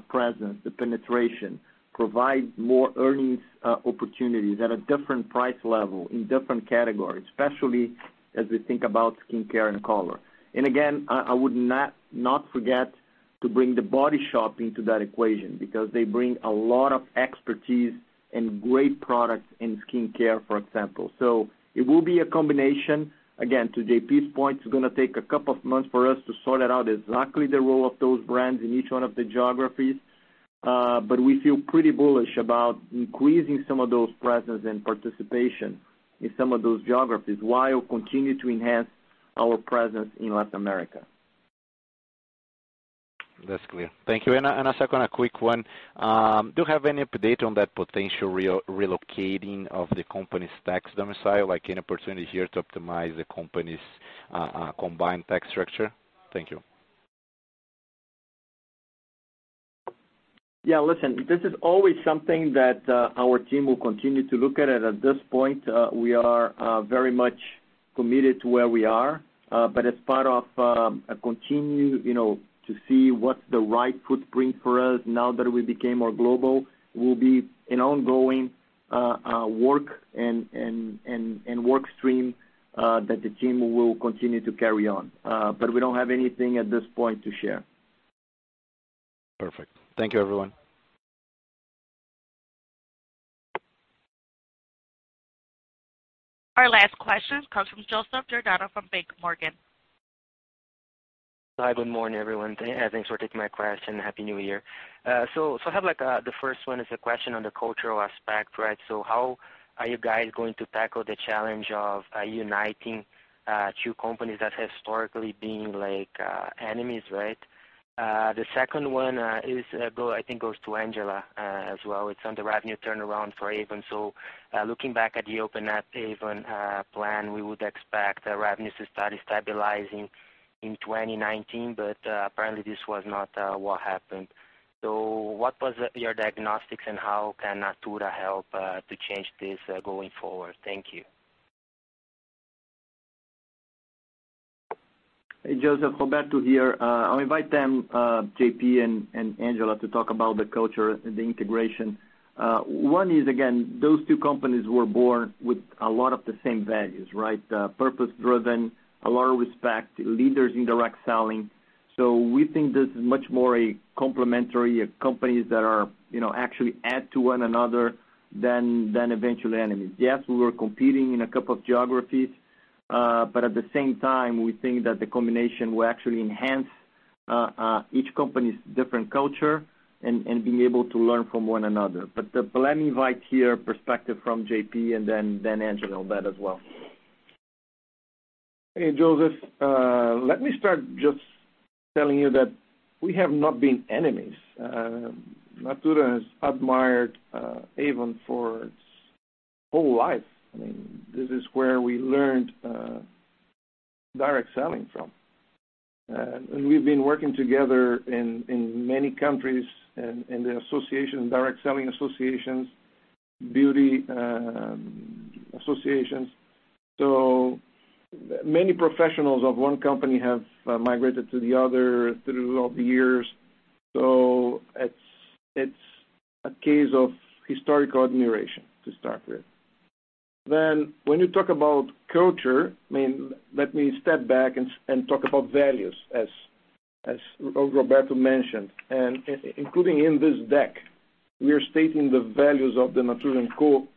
presence, the penetration, provide more earnings opportunities at a different price level in different categories, especially as we think about skincare and color. Again, I would not forget to bring The Body Shop into that equation because they bring a lot of expertise and great products in skincare, for example. It will be a combination. Again, to JP's point, it's going to take a couple of months for us to sort out exactly the role of those brands in each one of the geographies. We feel pretty bullish about increasing some of those presence and participation in some of those geographies while continue to enhance our presence in Latin America. That's clear. Thank you. A second, a quick one. Do you have any update on that potential relocating of the company's tax domicile, like an opportunity here to optimize the company's combined tax structure? Thank you. Yeah, listen, this is always something that our team will continue to look at. At this point, we are very much committed to where we are. As part of a continue to see what's the right footprint for us now that we became more global, will be an ongoing work and work stream that the team will continue to carry on. We don't have anything at this point to share. Perfect. Thank you, everyone. Our last question comes from Joseph Giordano from JPMorgan. Hi. Good morning, everyone. Thanks for taking my question. Happy New Year. I have the first one is a question on the cultural aspect. How are you guys going to tackle the challenge of uniting two companies that historically been enemies, right? The second one I think goes to Angela as well. It's on the revenue turnaround for Avon. Looking back at the Open Avon plan, we would expect the revenue to start stabilizing in 2019, but apparently this was not what happened. What was your diagnostics, and how can Natura help to change this going forward? Thank you. Hey, Joseph. Roberto here. I'll invite them, JP and Angela, to talk about the culture and the integration. One is, again, those two companies were born with a lot of the same values, right? Purpose-driven, a lot of respect, leaders in direct selling. We think this is much more a complementary of companies that actually add to one another than eventually enemies. Yes, we were competing in a couple of geographies, but at the same time, we think that the combination will actually enhance each company's different culture and being able to learn from one another. Let me invite here perspective from JP and then Angela on that as well. Hey, Joseph. Let me start just telling you that we have not been enemies. Natura has admired Avon for its whole life. This is where we learned direct selling from. We've been working together in many countries, in the associations, direct selling associations, beauty associations. Many professionals of one company have migrated to the other through all the years. It's a case of historical admiration to start with. When you talk about culture, let me step back and talk about values, as Roberto mentioned. Including in this deck, we are stating the values of the Natura &Co.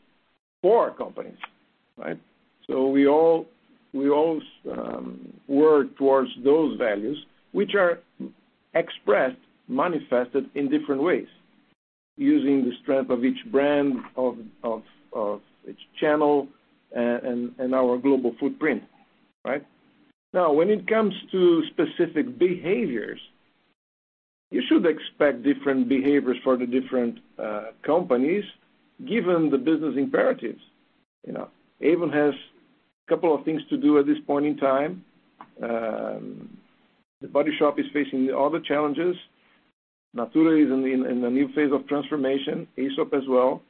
for our companies, right? We all work towards those values, which are expressed, manifested in different ways, using the strength of each brand, of each channel, and our global footprint. Right? Now, when it comes to specific behaviors, you should expect different behaviors for the different companies, given the business imperatives. Avon has a couple of things to do at this point in time. The Body Shop is facing other challenges. Natura is in a new phase of transformation, Aesop as well.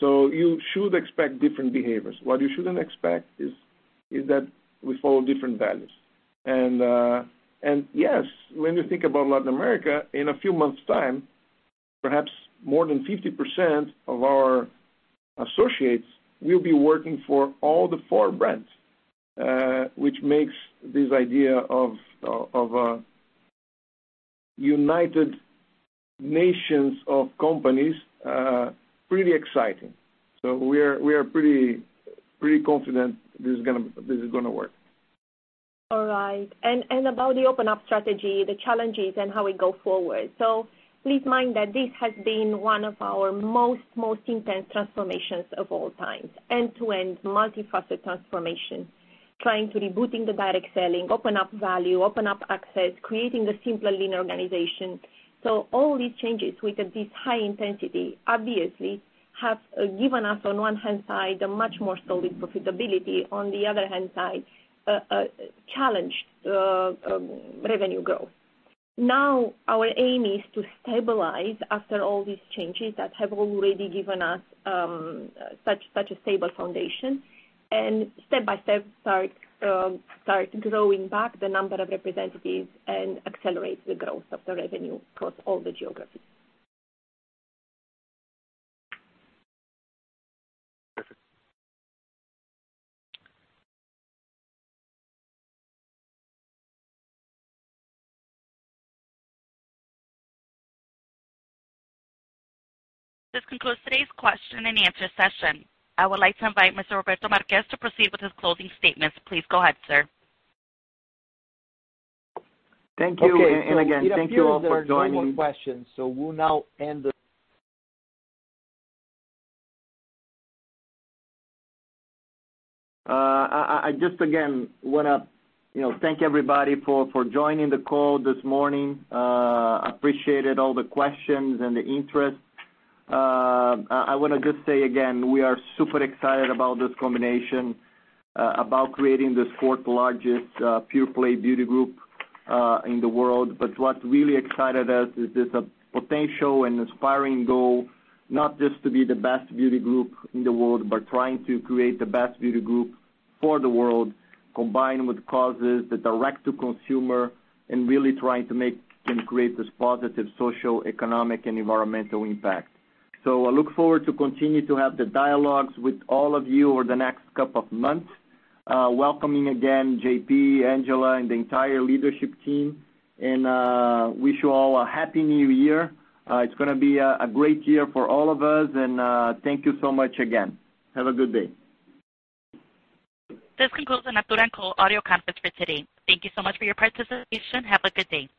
You should expect different behaviors. What you shouldn't expect is that we follow different values. Yes, when you think about Latin America, in a few months' time, perhaps more than 50% of our associates will be working for all the four brands, which makes this idea of a united nations of companies, pretty exciting. We are pretty confident this is going to work. All right. About the Open Up strategy, the challenges, and how we go forward. Please mind that this has been one of our most intense transformations of all times, end-to-end, multifaceted transformation. Trying to rebooting the direct selling, open up value, open up access, creating the simpler, lean organization. All these changes with this high intensity, obviously, have given us, on one hand side, a much more solid profitability. On the other hand side, challenged revenue growth. Our aim is to stabilize after all these changes that have already given us such a stable foundation, and step by step, start growing back the number of representatives and accelerate the growth of the revenue across all the geographies. Perfect. This concludes today's question and answer session. I would like to invite Mr. Roberto Marques to proceed with his closing statements. Please go ahead, sir. Thank you. Again, thank you all for joining. Okay. It appears there are no more questions, so we'll now end. I just, again, want to thank everybody for joining the call this morning. Appreciated all the questions and the interest. I want to just say again, we are super excited about this combination, about creating this fourth-largest pure-play beauty group in the world. What really excited us is this potential and aspiring goal, not just to be the best beauty group in the world, but trying to create the best beauty group for the world, combined with causes that direct to consumer and really trying to make and create this positive social, economic, and environmental impact. I look forward to continue to have the dialogues with all of you over the next couple of months. Welcoming again, JP, Angela, and the entire leadership team, and wish you all a Happy New Year. It's going to be a great year for all of us. Thank you so much again. Have a good day. This concludes the Natura &Co. audio conference for today. Thank you so much for your participation. Have a good day.